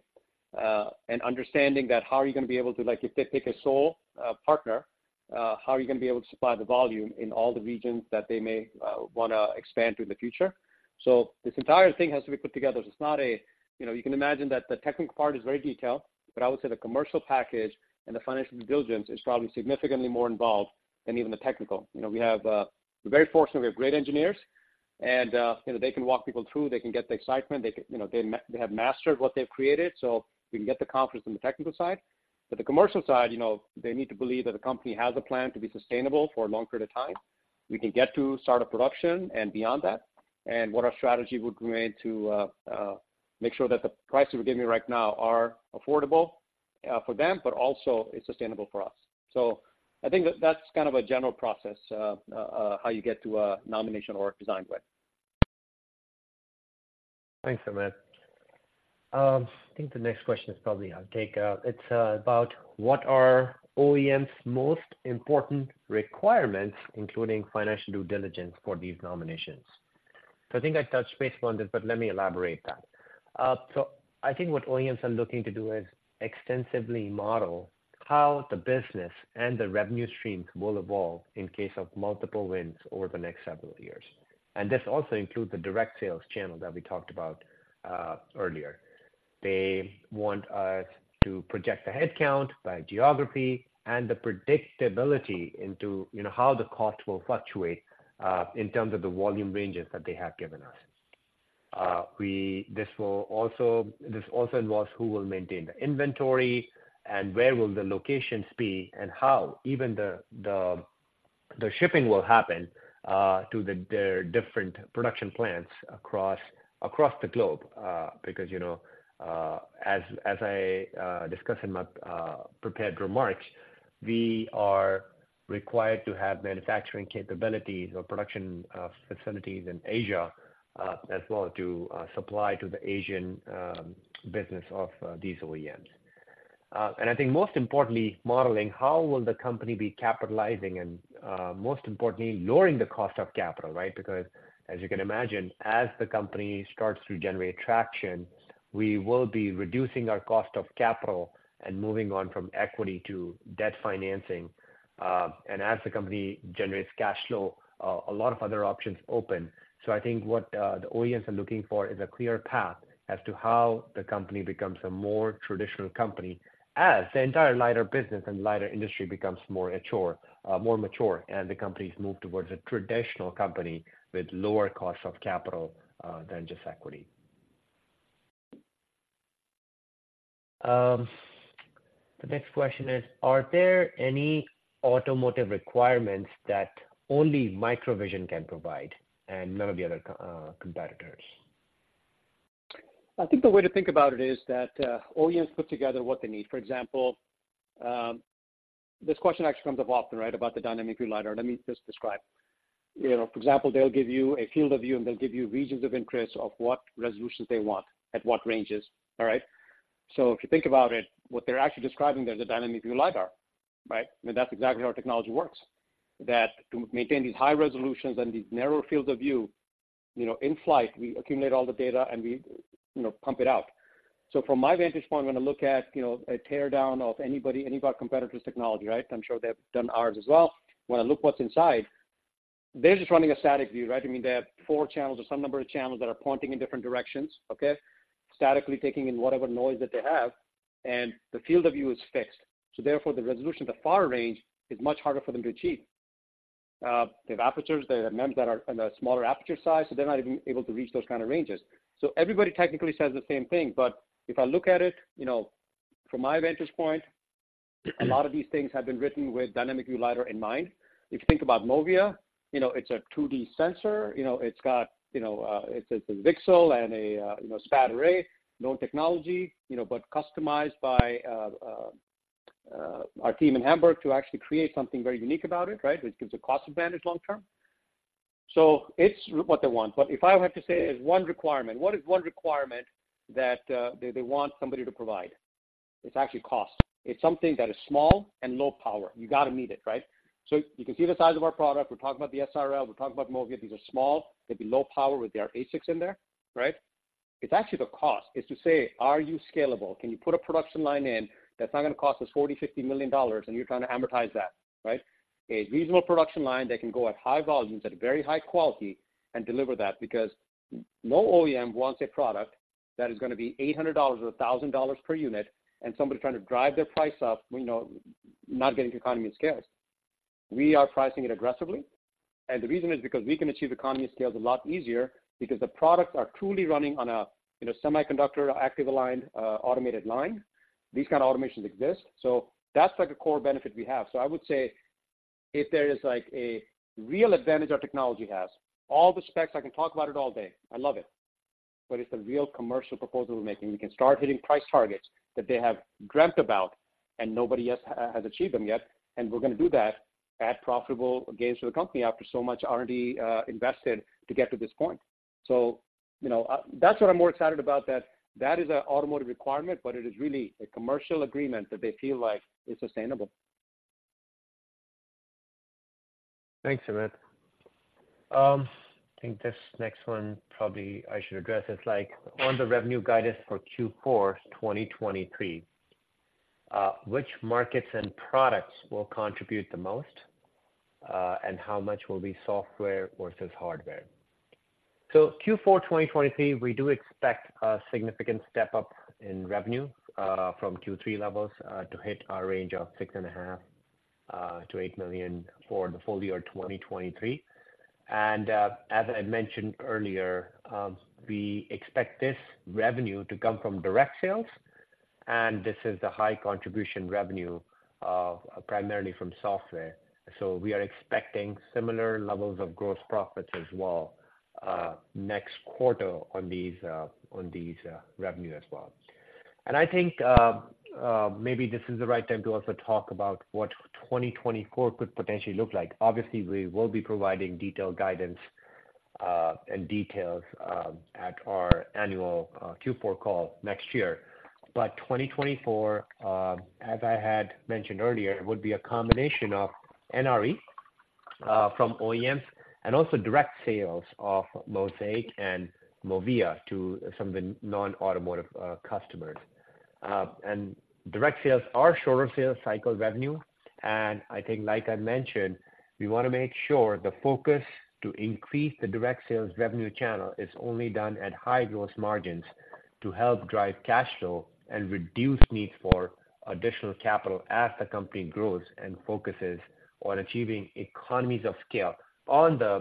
and understanding that how are you gonna be able to-- like, if they pick a sole, partner, how are you gonna be able to supply the volume in all the regions that they may, wanna expand to in the future? So this entire thing has to be put together. So it's not-- you know, you can imagine that the technical part is very detailed, but I would say the commercial package and the financial due diligence is probably significantly more involved than even the technical. You know, we have, we're very fortunate we have great engineers, and, you know, they can walk people through. They can get the excitement. They can, you know, they, they have mastered what they've created, so we can get the confidence in the technical side. But the commercial side, you know, they need to believe that the company has a plan to be sustainable for a long period of time. We can get to start a production and beyond that, and what our strategy would be made to make sure that the prices we're giving right now are affordable for them, but also it's sustainable for us. So I think that that's kind of a general process, how you get to a nomination or design win. Thanks, Sumit. I think the next question is probably, I'll take, it's about what are OEMs' most important requirements, including financial due diligence, for these nominations? So I think I touched base on this, but let me elaborate that. So I think what OEMs are looking to do is extensively model how the business and the revenue streams will evolve in case of multiple wins over the next several years. And this also includes the direct sales channel that we talked about, earlier. They want us to project the headcount by geography and the predictability into, you know, how the cost will fluctuate, in terms of the volume ranges that they have given us.... This will also, this also involves who will maintain the inventory and where will the locations be and how even the, the, the shipping will happen, to their different production plants across, across the globe. Because, you know, as I discussed in my prepared remarks, we are required to have manufacturing capabilities or production facilities in Asia, as well to supply to the Asian business of these OEMs. And I think most importantly, modeling, how will the company be capitalizing and, most importantly, lowering the cost of capital, right? Because as you can imagine, as the company starts to generate traction, we will be reducing our cost of capital and moving on from equity to debt financing. And as the company generates cash flow, a lot of other options open. So I think what, the OEMs are looking for is a clear path as to how the company becomes a more traditional company, as the entire LiDAR business and LiDAR industry becomes more mature, more mature, and the companies move towards a traditional company with lower cost of capital, than just equity. The next question is: Are there any automotive requirements that only MicroVision can provide, and none of the other competitors? I think the way to think about it is that, OEMs put together what they need. For example, this question actually comes up often, right, about the Dynamic View LiDAR. Let me just describe. You know, for example, they'll give you a field of view, and they'll give you regions of interest of what resolutions they want, at what ranges. All right? So if you think about it, what they're actually describing there is a Dynamic View LiDAR, right? And that's exactly how our technology works. That to maintain these high resolutions and these narrow fields of view, you know, in flight, we accumulate all the data and we, you know, pump it out. So from my vantage point, when I look at, you know, a tear down of anybody, any of our competitors' technology, right? I'm sure they've done ours as well. When I look what's inside, they're just running a static view, right? I mean, they have four channels or some number of channels that are pointing in different directions, okay? Statically taking in whatever noise that they have, and the field of view is fixed. So therefore, the resolution of the far range is much harder for them to achieve. They have apertures, they have members that are on a smaller aperture size, so they're not even able to reach those kind of ranges. So everybody technically says the same thing, but if I look at it, you know, from my vantage point, a lot of these things have been written with Dynamic View LiDAR in mind. If you think about MOVIA, you know, it's a 2D sensor. You know, it's got, you know, it's a VCSEL and a, you know, SPAD array, known technology, you know, but customized by our team in Hamburg to actually create something very unique about it, right? Which gives a cost advantage long term. So it's what they want. But if I have to say there's one requirement, what is one requirement that they, they want somebody to provide? It's actually cost. It's something that is small and low power. You got to meet it, right? So you can see the size of our product. We're talking about the SRL, we're talking about MOVIA. These are small, they'd be low power with their ASICs in there, right? It's actually the cost. It's to say, are you scalable? Can you put a production line in that's not gonna cost us $40-$50 million, and you're trying to amortize that, right? A reasonable production line that can go at high volumes at a very high quality and deliver that, because no OEM wants a product that is gonna be $800 or $1,000 per unit, and somebody trying to drive their price up, you know, not getting to economies of scale. We are pricing it aggressively, and the reason is because we can achieve economies of scale a lot easier because the products are truly running on a, you know, semiconductor, active align, automated line. These kind of automations exist, so that's like a core benefit we have. So I would say if there is like, a real advantage our technology has, all the specs, I can talk about it all day, I love it, but it's a real commercial proposal we're making. We can start hitting price targets that they have dreamt about and nobody else has, has achieved them yet, and we're gonna do that at profitable gains for the company after so much R&D invested to get to this point. So, you know, that's what I'm more excited about, that, that is an automotive requirement, but it is really a commercial agreement that they feel like is sustainable. Thanks, Sumit. I think this next one probably I should address. It's like: On the revenue guidance for Q4 2023, which markets and products will contribute the most, and how much will be software versus hardware? So Q4 2023, we do expect a significant step-up in revenue from Q3 levels to hit our range of $6.5 million-$8 million for the full year 2023. And as I mentioned earlier, we expect this revenue to come from direct sales, and this is the high contribution revenue primarily from software. So we are expecting similar levels of gross profits as well next quarter on these revenue as well. And I think maybe this is the right time to also talk about what 2024 could potentially look like. Obviously, we will be providing detailed guidance and details at our annual Q4 call next year. But 2024, as I had mentioned earlier, would be a combination of NRE from OEMs and also direct sales of MOSAIK and MOVIA to some of the non-automotive customers. And direct sales are shorter sales cycle revenue. I think like I mentioned, we wanna make sure the focus to increase the direct sales revenue channel is only done at high gross margins to help drive cash flow and reduce needs for additional capital as the company grows and focuses on achieving economies of scale on the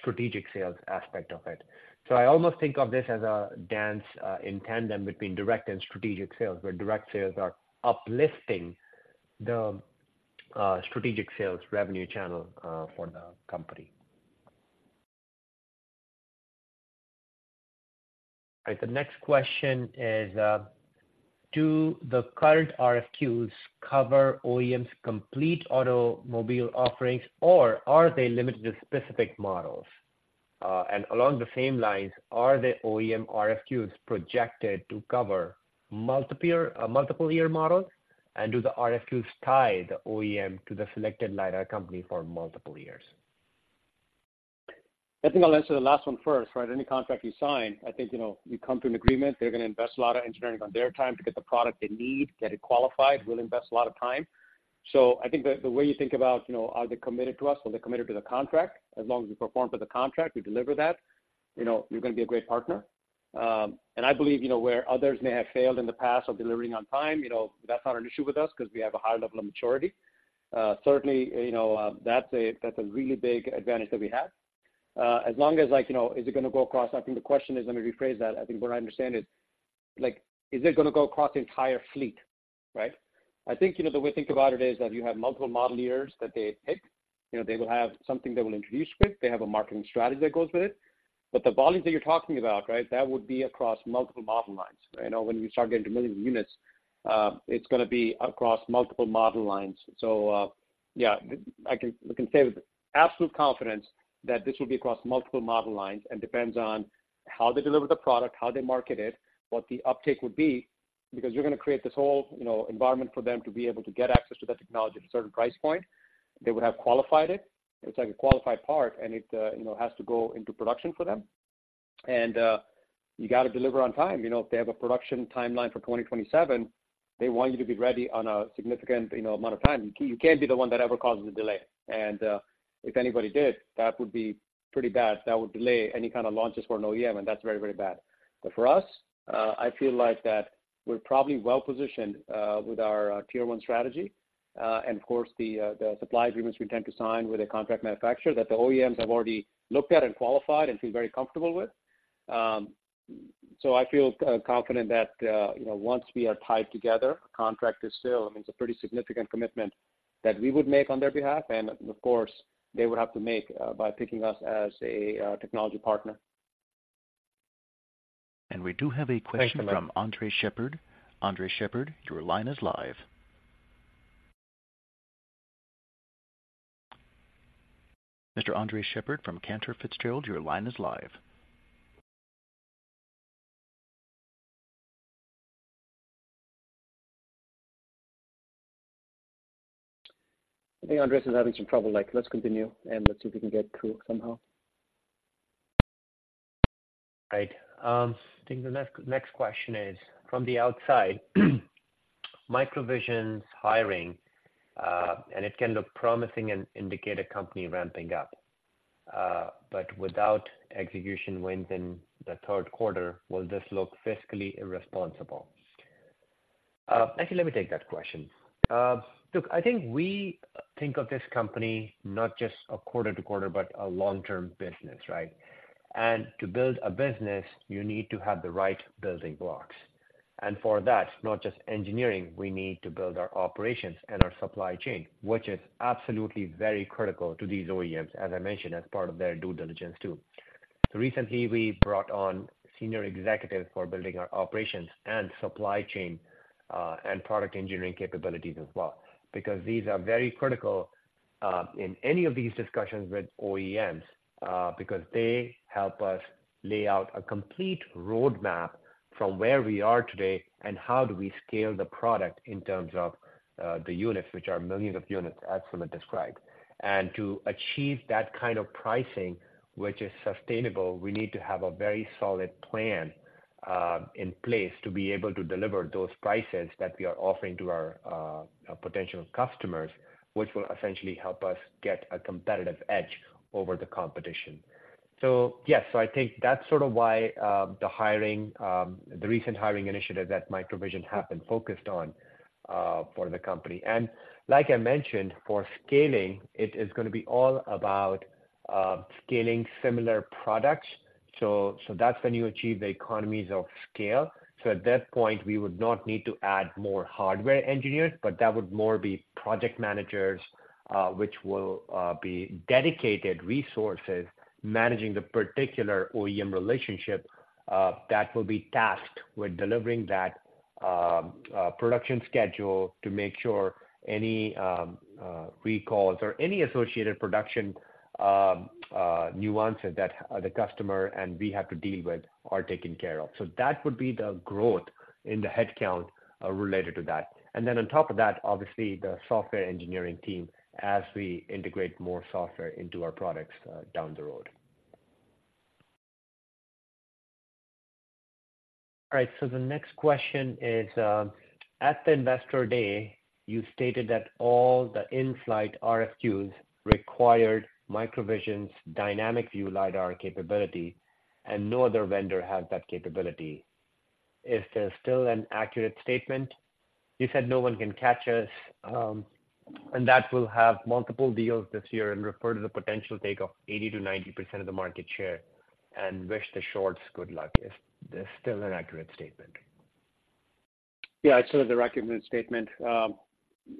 strategic sales aspect of it. So I almost think of this as a dance in tandem between direct and strategic sales, where direct sales are uplifting the strategic sales revenue channel for the company. Right. The next question is, do the current RFQs cover OEM's complete automobile offerings, or are they limited to specific models? And along the same lines, are the OEM RFQs projected to cover multiple year, multiple year models, and do the RFQs tie the OEM to the selected LiDAR company for multiple years? I think I'll answer the last one first, right? Any contract you sign, I think, you know, you come to an agreement. They're gonna invest a lot of engineering on their time to get the product they need, get it qualified. We'll invest a lot of time. So I think the way you think about, you know, are they committed to us, are they committed to the contract? As long as we perform to the contract, we deliver that, you know, you're gonna be a great partner. And I believe, you know, where others may have failed in the past of delivering on time, you know, that's not an issue with us 'cause we have a high level of maturity. Certainly, you know, that's a really big advantage that we have. As long as, like, you know, is it gonna go across—I think the question, let me rephrase that. I think what I understand is, like, is it gonna go across the entire fleet, right? I think, you know, the way to think about it is that you have multiple model years that they pick. You know, they will have something they will introduce with. They have a marketing strategy that goes with it. But the volumes that you're talking about, right, that would be across multiple model lines, right? You know, when you start getting to millions of units, it's gonna be across multiple model lines. So, yeah, I can—we can say with absolute confidence that this will be across multiple model lines and depends on how they deliver the product, how they market it, what the uptake would be, because you're gonna create this whole, you know, environment for them to be able to get access to that technology at a certain price point. They would have qualified it. It's like a qualified part, and it, you know, has to go into production for them. And, you gotta deliver on time. You know, if they have a production timeline for 2027, they want you to be ready on a significant, you know, amount of time. You can't be the one that ever causes a delay. And, if anybody did, that would be pretty bad. That would delay any kind of launches for an OEM, and that's very, very bad. But for us, I feel like that we're probably well positioned with our Tier One strategy. And of course, the supply agreements we tend to sign with a contract manufacturer that the OEMs have already looked at and qualified and feel very comfortable with. So I feel confident that, you know, once we are tied together, contract is still, I mean, it's a pretty significant commitment that we would make on their behalf, and of course, they would have to make by picking us as a technology partner. We do have a question- Thanks, Lak. From Andres Sheppard. Andres Sheppard, your line is live. Mr. Andres Sheppard from Cantor Fitzgerald, your line is live. I think Andre is having some trouble, Lak. Let's continue, and let's see if we can get through somehow. Right. I think the next, next question is: From the outside, MicroVision's hiring, and it can look promising and indicate a company ramping up, but without execution wins in the third quarter, will this look fiscally irresponsible? Actually, let me take that question. Look, I think we think of this company not just a quarter to quarter, but a long-term business, right? And to build a business, you need to have the right building blocks. And for that, not just engineering, we need to build our operations and our supply chain, which is absolutely very critical to these OEMs, as I mentioned, as part of their due diligence, too. So recently, we brought on senior executives for building our operations and supply chain and product engineering capabilities as well, because these are very critical in any of these discussions with OEMs, because they help us lay out a complete roadmap from where we are today and how do we scale the product in terms of the units, which are millions of units, as Sumit described. And to achieve that kind of pricing, which is sustainable, we need to have a very solid plan in place to be able to deliver those prices that we are offering to our potential customers, which will essentially help us get a competitive edge over the competition. So yes, so I think that's sort of why the hiring, the recent hiring initiative that MicroVision have been focused on, for the company. Like I mentioned, for scaling, it is gonna be all about scaling similar products. So that's when you achieve the economies of scale. So at that point, we would not need to add more hardware engineers, but that would more be project managers, which will be dedicated resources managing the particular OEM relationship that will be tasked with delivering that production schedule to make sure any recalls or any associated production nuances that the customer and we have to deal with are taken care of. So that would be the growth in the headcount related to that. And then on top of that, obviously, the software engineering team, as we integrate more software into our products down the road.... All right, so the next question is, at the Investor Day, you stated that all the in-flight RFQs required MicroVision's Dynamic View LiDAR capability, and no other vendor has that capability. Is this still an accurate statement? You said no one can catch us, and that we'll have multiple deals this year and refer to the potential take of 80%-90% of the market share, and wish the shorts good luck. Is this still an accurate statement? Yeah, it's still an accurate statement.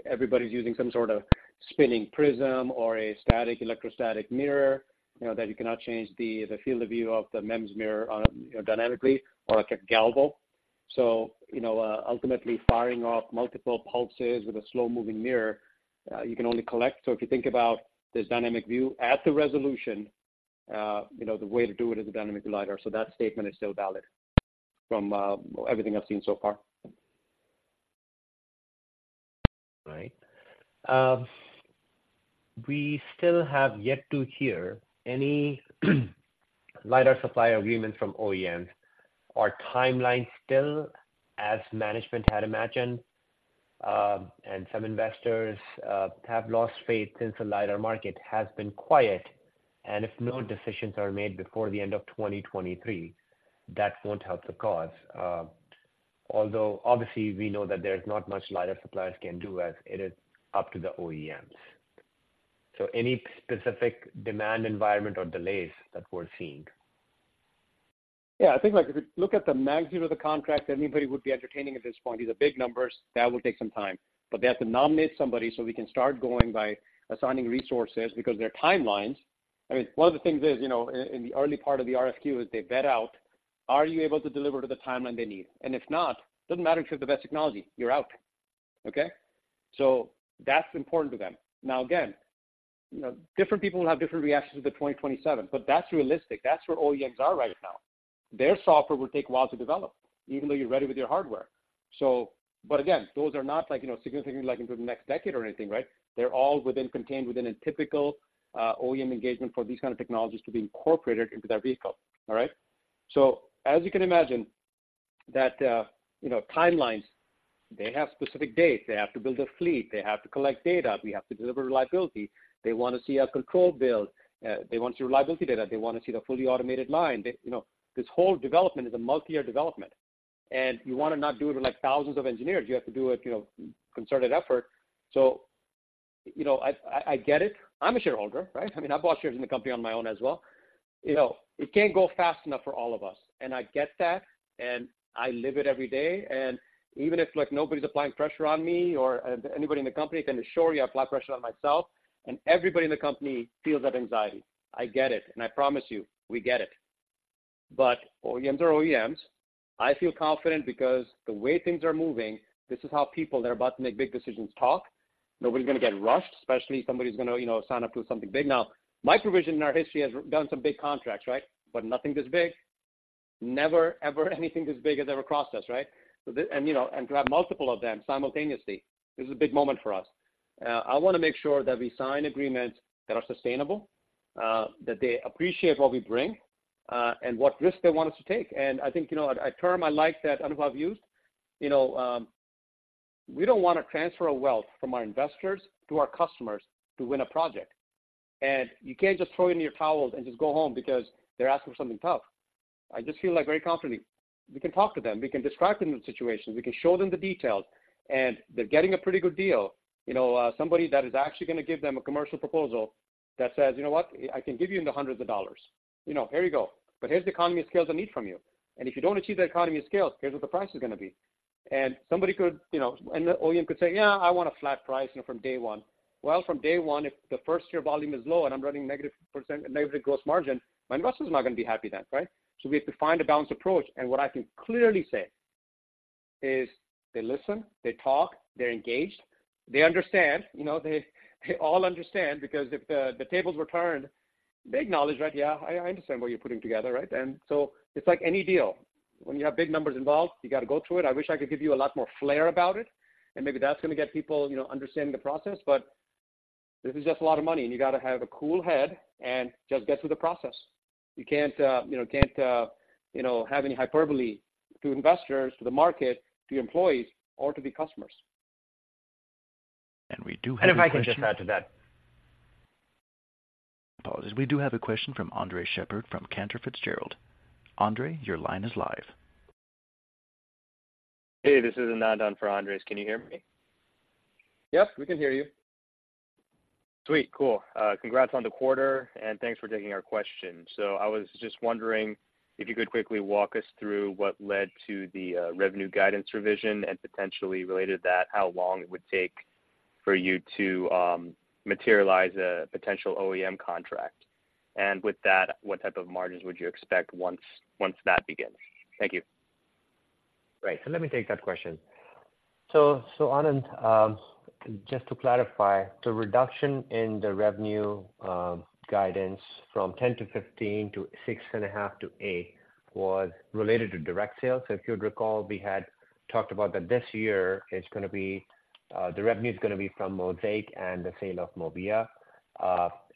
Everybody's using some sort of spinning prism or a static electrostatic mirror, you know, that you cannot change the field of view of the MEMS mirror on, you know, dynamically or like a galvo. So, you know, ultimately firing off multiple pulses with a slow-moving mirror, you can only collect. So if you think about this dynamic view at the resolution, you know, the way to do it is a dynamic LiDAR. So that statement is still valid from everything I've seen so far. All right. We still have yet to hear any LiDAR supply agreement from OEMs. Are timelines still, as management had imagined, and some investors have lost faith since the LiDAR market has been quiet, and if no decisions are made before the end of 2023, that won't help the cause. Although obviously, we know that there's not much LiDAR suppliers can do, as it is up to the OEMs. So any specific demand environment or delays that we're seeing? Yeah, I think, like, if you look at the magnitude of the contract, anybody would be entertaining at this point. These are big numbers. That will take some time, but they have to nominate somebody so we can start going by assigning resources because their timelines, I mean, one of the things is, you know, in the early part of the RFQ is they vet out, are you able to deliver to the timeline they need? And if not, doesn't matter if you have the best technology, you're out, okay? So that's important to them. Now, again, you know, different people will have different reactions to the 2027, but that's realistic. That's where OEMs are right now. Their software will take a while to develop, even though you're ready with your hardware. So... But again, those are not like, you know, significantly, like, into the next decade or anything, right? They're all contained within a typical OEM engagement for these kind of technologies to be incorporated into their vehicle. All right? So as you can imagine, that, you know, timelines, they have specific dates. They have to build a fleet. They have to collect data. We have to deliver reliability. They want to see a control build. They want to see reliability data. They want to see the fully automated line. They, you know, this whole development is a multi-year development, and you want to not do it with, like, thousands of engineers. You have to do it, you know, concerted effort. So, you know, I get it. I'm a shareholder, right? I mean, I bought shares in the company on my own as well. You know, it can't go fast enough for all of us, and I get that, and I live it every day. And even if, like, nobody's applying pressure on me or anybody in the company, I can assure you I apply pressure on myself, and everybody in the company feels that anxiety. I get it, and I promise you, we get it. But OEMs are OEMs. I feel confident because the way things are moving, this is how people that are about to make big decisions talk. Nobody's gonna get rushed, especially if somebody's gonna, you know, sign up to something big. Now, MicroVision, in our history, has done some big contracts, right? But nothing this big. Never, ever anything this big has ever crossed us, right? So and, you know, and to have multiple of them simultaneously, this is a big moment for us. I wanna make sure that we sign agreements that are sustainable, that they appreciate what we bring, and what risk they want us to take. I think, you know, a term I like that Anubhav used, you know, we don't wanna transfer a wealth from our investors to our customers to win a project. You can't just throw in your towels and just go home because they're asking for something tough. I just feel, like, very confidently, we can talk to them, we can describe to them the situations, we can show them the details, and they're getting a pretty good deal. You know, somebody that is actually gonna give them a commercial proposal that says, "You know what? I can give you in the hundreds of dollars. You know, here you go, but here's the economy of scale I need from you, and if you don't achieve that economy of scale, here's what the price is gonna be. Somebody could, you know, and the OEM could say, "Yeah, I want a flat price, you know, from day one." Well, from day one, if the first-year volume is low and I'm running negative %, negative gross margin, my investor's not gonna be happy then, right? So we have to find a balanced approach, and what I can clearly say is they listen, they talk, they're engaged, they understand. You know, they, they all understand because if the, the tables were turned, they acknowledge, right? "Yeah, I, I understand what you're putting together," right? So it's like any deal. When you have big numbers involved, you gotta go through it. I wish I could give you a lot more flair about it, and maybe that's gonna get people, you know, understanding the process, but this is just a lot of money, and you gotta have a cool head and just get through the process. You can't, you know, you can't, you know, have any hyperbole to investors, to the market, to employees, or to the customers. We do have a question. If I could just add to that. Apologies. We do have a question from Andres Sheppard from Cantor Fitzgerald. Andre, your line is live. Hey, this is Anand on for Andres. Can you hear me? Yes, we can hear you. Sweet. Cool. Congrats on the quarter, and thanks for taking our question. So I was just wondering if you could quickly walk us through what led to the revenue guidance revision and potentially related to that, how long it would take for you to materialize a potential OEM contract? And with that, what type of margins would you expect once that begins? Thank you. Great. So let me take that question. So, Anand, just to clarify, the reduction in the revenue guidance from $10-$15 to $6.5-$8 was related to direct sales. So if you'd recall, we had talked about that this year, it's gonna be the revenue is gonna be from MOSAIK and the sale of MOVIA,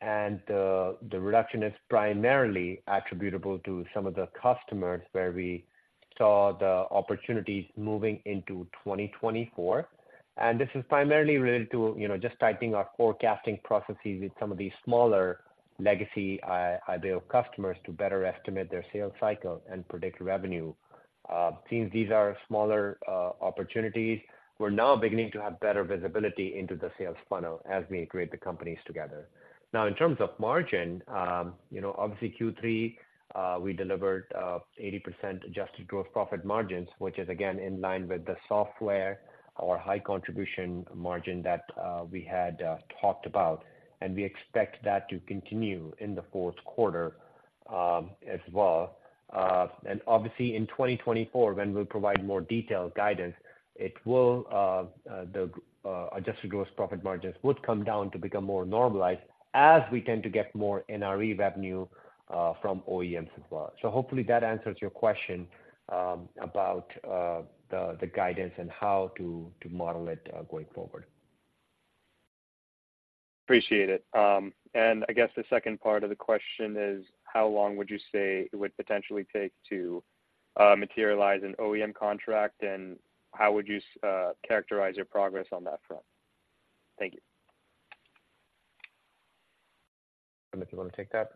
and the reduction is primarily attributable to some of the customers where we saw the opportunities moving into 2024. And this is primarily related to, you know, just tightening our forecasting processes with some of these smaller legacy Ibeo customers to better estimate their sales cycle and predict revenue. Since these are smaller opportunities, we're now beginning to have better visibility into the sales funnel as we integrate the companies together. Now, in terms of margin, you know, obviously Q3, we delivered 80% adjusted gross profit margins, which is again in line with the software or high contribution margin that we had talked about, and we expect that to continue in the fourth quarter, as well. Obviously in 2024, when we'll provide more detailed guidance, it will, the adjusted gross profit margins would come down to become more normalized as we tend to get more NRE revenue from OEMs as well. So hopefully that answers your question about the guidance and how to model it going forward. Appreciate it. And I guess the second part of the question is: how long would you say it would potentially take to materialize an OEM contract? And how would you characterize your progress on that front? Thank you. If you wanna take that.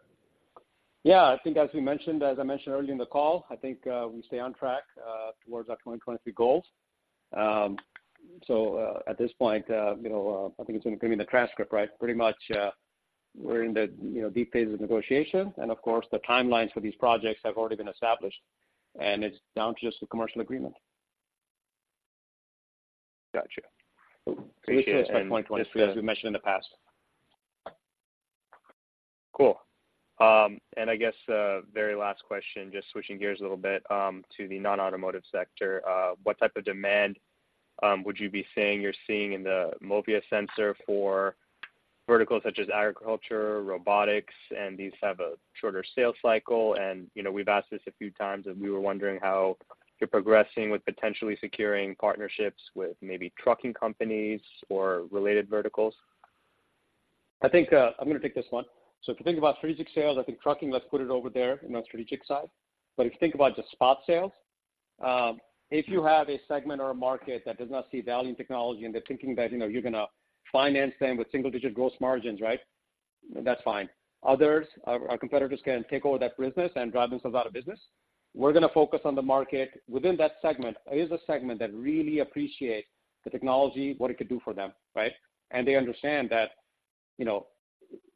Yeah, I think as we mentioned, as I mentioned earlier in the call, I think, we stay on track, towards our 2023 goals. So, at this point, you know, I think it's gonna be in the transcript, right? Pretty much, we're in the, you know, deep phases of negotiation, and of course, the timelines for these projects have already been established, and it's down to just the commercial agreement. Gotcha. Appreciate it. As we mentioned in the past. Cool. I guess, very last question, just switching gears a little bit, to the non-automotive sector. What type of demand would you be saying you're seeing in the MOVIA sensor for verticals such as agriculture, robotics, and these have a shorter sales cycle? You know, we've asked this a few times, and we were wondering how you're progressing with potentially securing partnerships with maybe trucking companies or related verticals. I think, I'm gonna take this one. So if you think about strategic sales, I think trucking, let's put it over there in our strategic side. But if you think about just spot sales, if you have a segment or a market that does not see value in technology, and they're thinking that, you know, you're gonna finance them with single-digit gross margins, right? That's fine. Others, our, our competitors can take over that business and drive themselves out of business. We're gonna focus on the market. Within that segment, it is a segment that really appreciate the technology, what it could do for them, right? And they understand that, you know,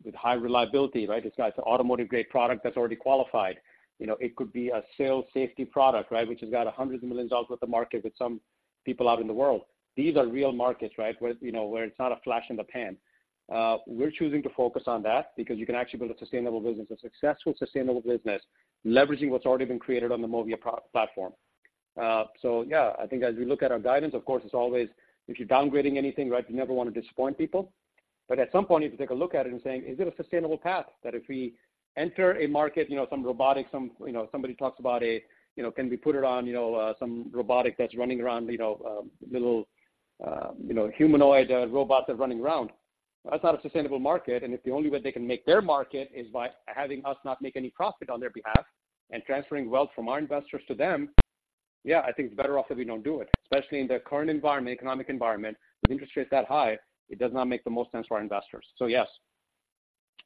with high reliability, right, it's got the automotive-grade product that's already qualified. You know, it could be a sales safety product, right, which has got hundreds of millions dollars worth of market with some people out in the world. These are real markets, right? Where, you know, where it's not a flash in the pan. We're choosing to focus on that because you can actually build a sustainable business, a successful, sustainable business, leveraging what's already been created on the MOVIA product platform. So yeah, I think as we look at our guidance, of course, it's always if you're downgrading anything, right, you never wanna disappoint people. But at some point, you have to take a look at it and saying, "Is it a sustainable path?" That if we enter a market, you know, some robotics, some you know, somebody talks about a, you know, can we put it on, you know, some robotic that's running around, you know, little, you know, humanoid robots are running around. That's not a sustainable market. And if the only way they can make their market is by having us not make any profit on their behalf and transferring wealth from our investors to them, yeah, I think it's better off that we don't do it, especially in the current environment, economic environment, with interest rates that high, it does not make the most sense for our investors. So yes,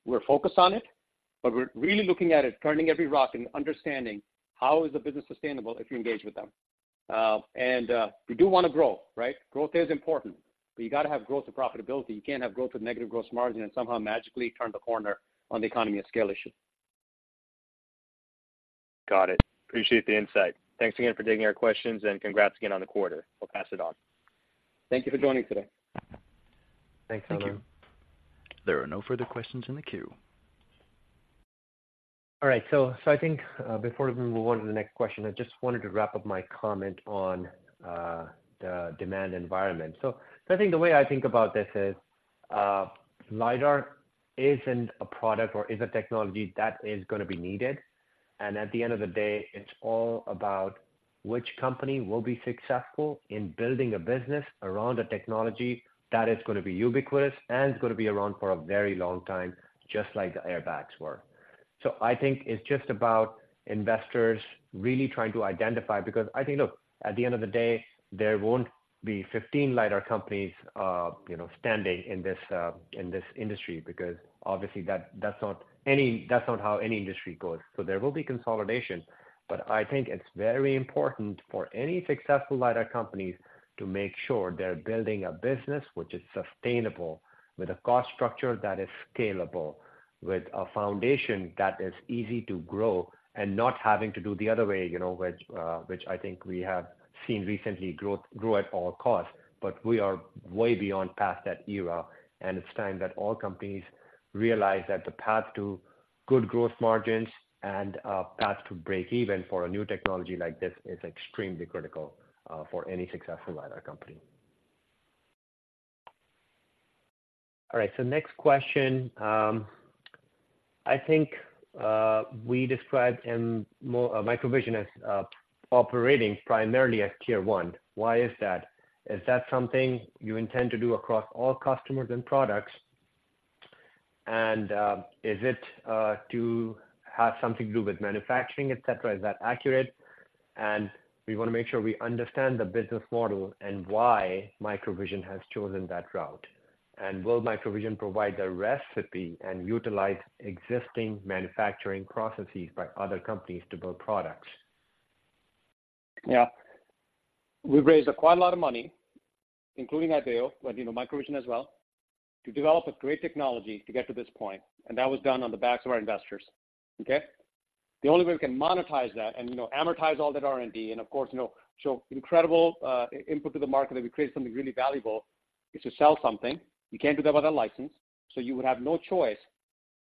we're focused on it, but we're really looking at it, turning every rock and understanding how is the business sustainable if you engage with them. We do wanna grow, right? Growth is important, but you gotta have growth and profitability. You can't have growth with negative gross margin and somehow magically turn the corner on the economy of scale issue. Got it. Appreciate the insight. Thanks again for taking our questions, and congrats again on the quarter. We'll pass it on. Thank you for joining today. Thanks, Anand. Thank you. There are no further questions in the queue. All right, so, so I think, before we move on to the next question, I just wanted to wrap up my comment on, the demand environment. So, so I think the way I think about this is, LiDAR isn't a product or is a technology that is gonna be needed, and at the end of the day, it's all about which company will be successful in building a business around a technology that is gonna be ubiquitous and is gonna be around for a very long time, just like the airbags were. So I think it's just about investors really trying to identify, because I think, look, at the end of the day, there won't be 15 LiDAR companies, you know, standing in this, in this industry, because obviously, that's not how any industry goes. So there will be consolidation, but I think it's very important for any successful LiDAR companies to make sure they're building a business which is sustainable, with a cost structure that is scalable, with a foundation that is easy to grow and not having to do the other way, you know, which I think we have seen recently, growth at all costs. But we are way beyond past that era, and it's time that all companies realize that the path to good gross margins and path to break even for a new technology like this is extremely critical for any successful LiDAR company. All right, so next question... I think we described MicroVision as operating primarily as Tier 1. Why is that? Is that something you intend to do across all customers and products? Is it to have something to do with manufacturing, et cetera, is that accurate? And we wanna make sure we understand the business model and why MicroVision has chosen that route. And will MicroVision provide the recipe and utilize existing manufacturing processes by other companies to build products? Yeah. We've raised quite a lot of money, including Ibeo, but, you know, MicroVision as well, to develop a great technology to get to this point, and that was done on the backs of our investors, okay? The only way we can monetize that and, you know, amortize all that R&D, and of course, you know, show incredible input to the market, that we create something really valuable, is to sell something. You can't do that without a license, so you would have no choice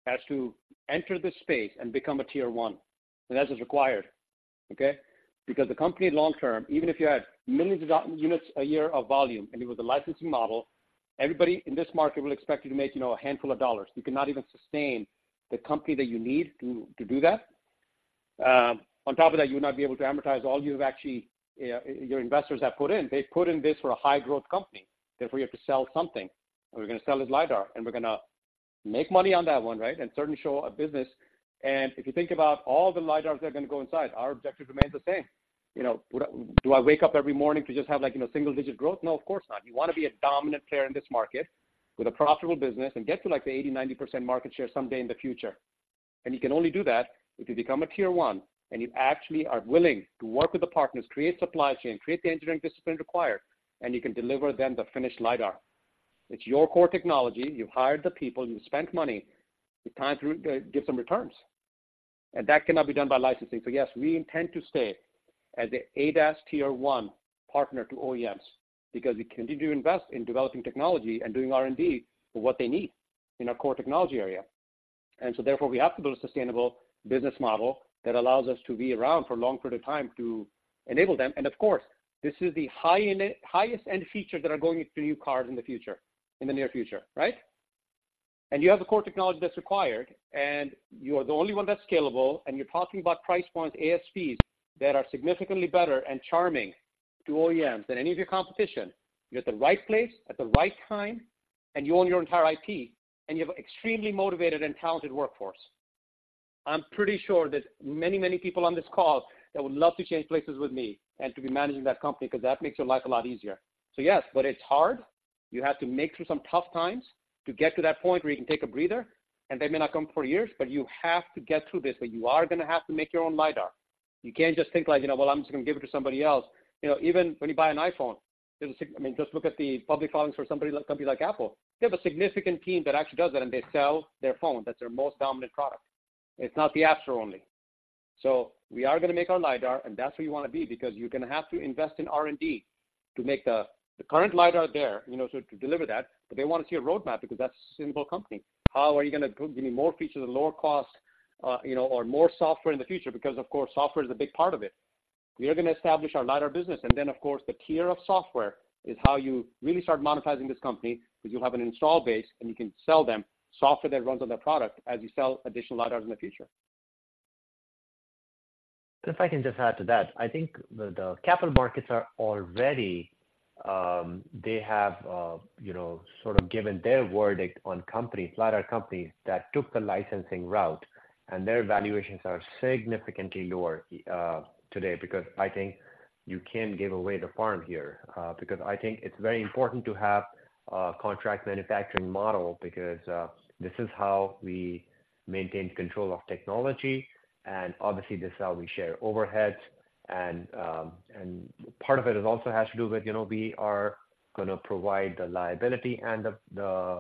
as to enter the space and become a Tier One, and that is required, okay? Because the company long term, even if you had millions of units a year of volume, and it was a licensing model, everybody in this market will expect you to make, you know, a handful of dollars. You cannot even sustain the company that you need to, to do that. On top of that, you would not be able to amortize all you've actually, your investors have put in. They've put in this for a high-growth company, therefore, you have to sell something. And we're gonna sell this LiDAR, and we're gonna make money on that one, right? And certainly show a business. And if you think about all the LiDARs that are gonna go inside, our objective remains the same. You know, do I wake up every morning to just have, like, you know, single-digit growth? No, of course not. You wanna be a dominant player in this market with a profitable business and get to, like, the 80%-90% market share someday in the future. And you can only do that if you become a Tier One, and you actually are willing to work with the partners, create supply chain, create the engineering discipline required, and you can deliver them the finished LiDAR. It's your core technology. You've hired the people, you've spent money. It's time to get some returns. And that cannot be done by licensing. So yes, we intend to stay as a ADAS Tier One partner to OEMs, because we continue to invest in developing technology and doing R&D for what they need in our core technology area. And so therefore, we have to build a sustainable business model that allows us to be around for a long period of time to enable them. And of course, this is the highest-end features that are going into new cars in the future, in the near future, right? And you have the core technology that's required, and you are the only one that's scalable, and you're talking about price points, ASPs, that are significantly better and charming to OEMs than any of your competition. You're at the right place, at the right time, and you own your entire IP, and you have extremely motivated and talented workforce. I'm pretty sure there's many, many people on this call that would love to change places with me and to be managing that company, because that makes your life a lot easier. So yes, but it's hard. You have to make through some tough times to get to that point where you can take a breather, and they may not come for years, but you have to get through this, but you are gonna have to make your own LiDAR. You can't just think like, "You know what? I'm just gonna give it to somebody else." You know, even when you buy an iPhone, I mean, just look at the public filings for somebody like a company like Apple. They have a significant team that actually does that, and they sell their phone. That's their most dominant product. It's not the App Store only. So we are gonna make our LiDAR, and that's where you wanna be, because you're gonna have to invest in R&D to make the current LiDAR there, you know, so to deliver that, but they want to see a roadmap because that's a simple company. How are you gonna give me more features at lower cost, you know, or more software in the future? Because of course, software is a big part of it. We are gonna establish our LiDAR business, and then, of course, the tier of software is how you really start monetizing this company, because you have an installed base, and you can sell them software that runs on their product as you sell additional LiDARs in the future. If I can just add to that, I think the capital markets are already, they have, you know, sort of given their verdict on companies, LiDAR companies, that took the licensing route, and their valuations are significantly lower today. Because I think you can give away the farm here, because I think it's very important to have contract manufacturing model, because this is how we maintain control of technology, and obviously this is how we share overheads. And, and part of it is also has to do with, you know, we are gonna provide the liability and the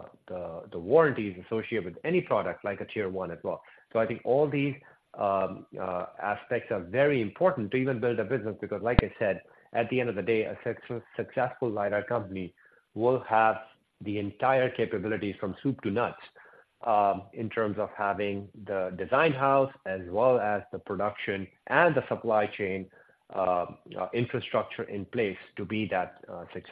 warranties associated with any product like a Tier One as well. I think all these aspects are very important to even build a business, because like I said, at the end of the day, a successful LiDAR company will have the entire capabilities from soup to nuts, in terms of having the design house, as well as the production and the supply chain, infrastructure in place to be that successful.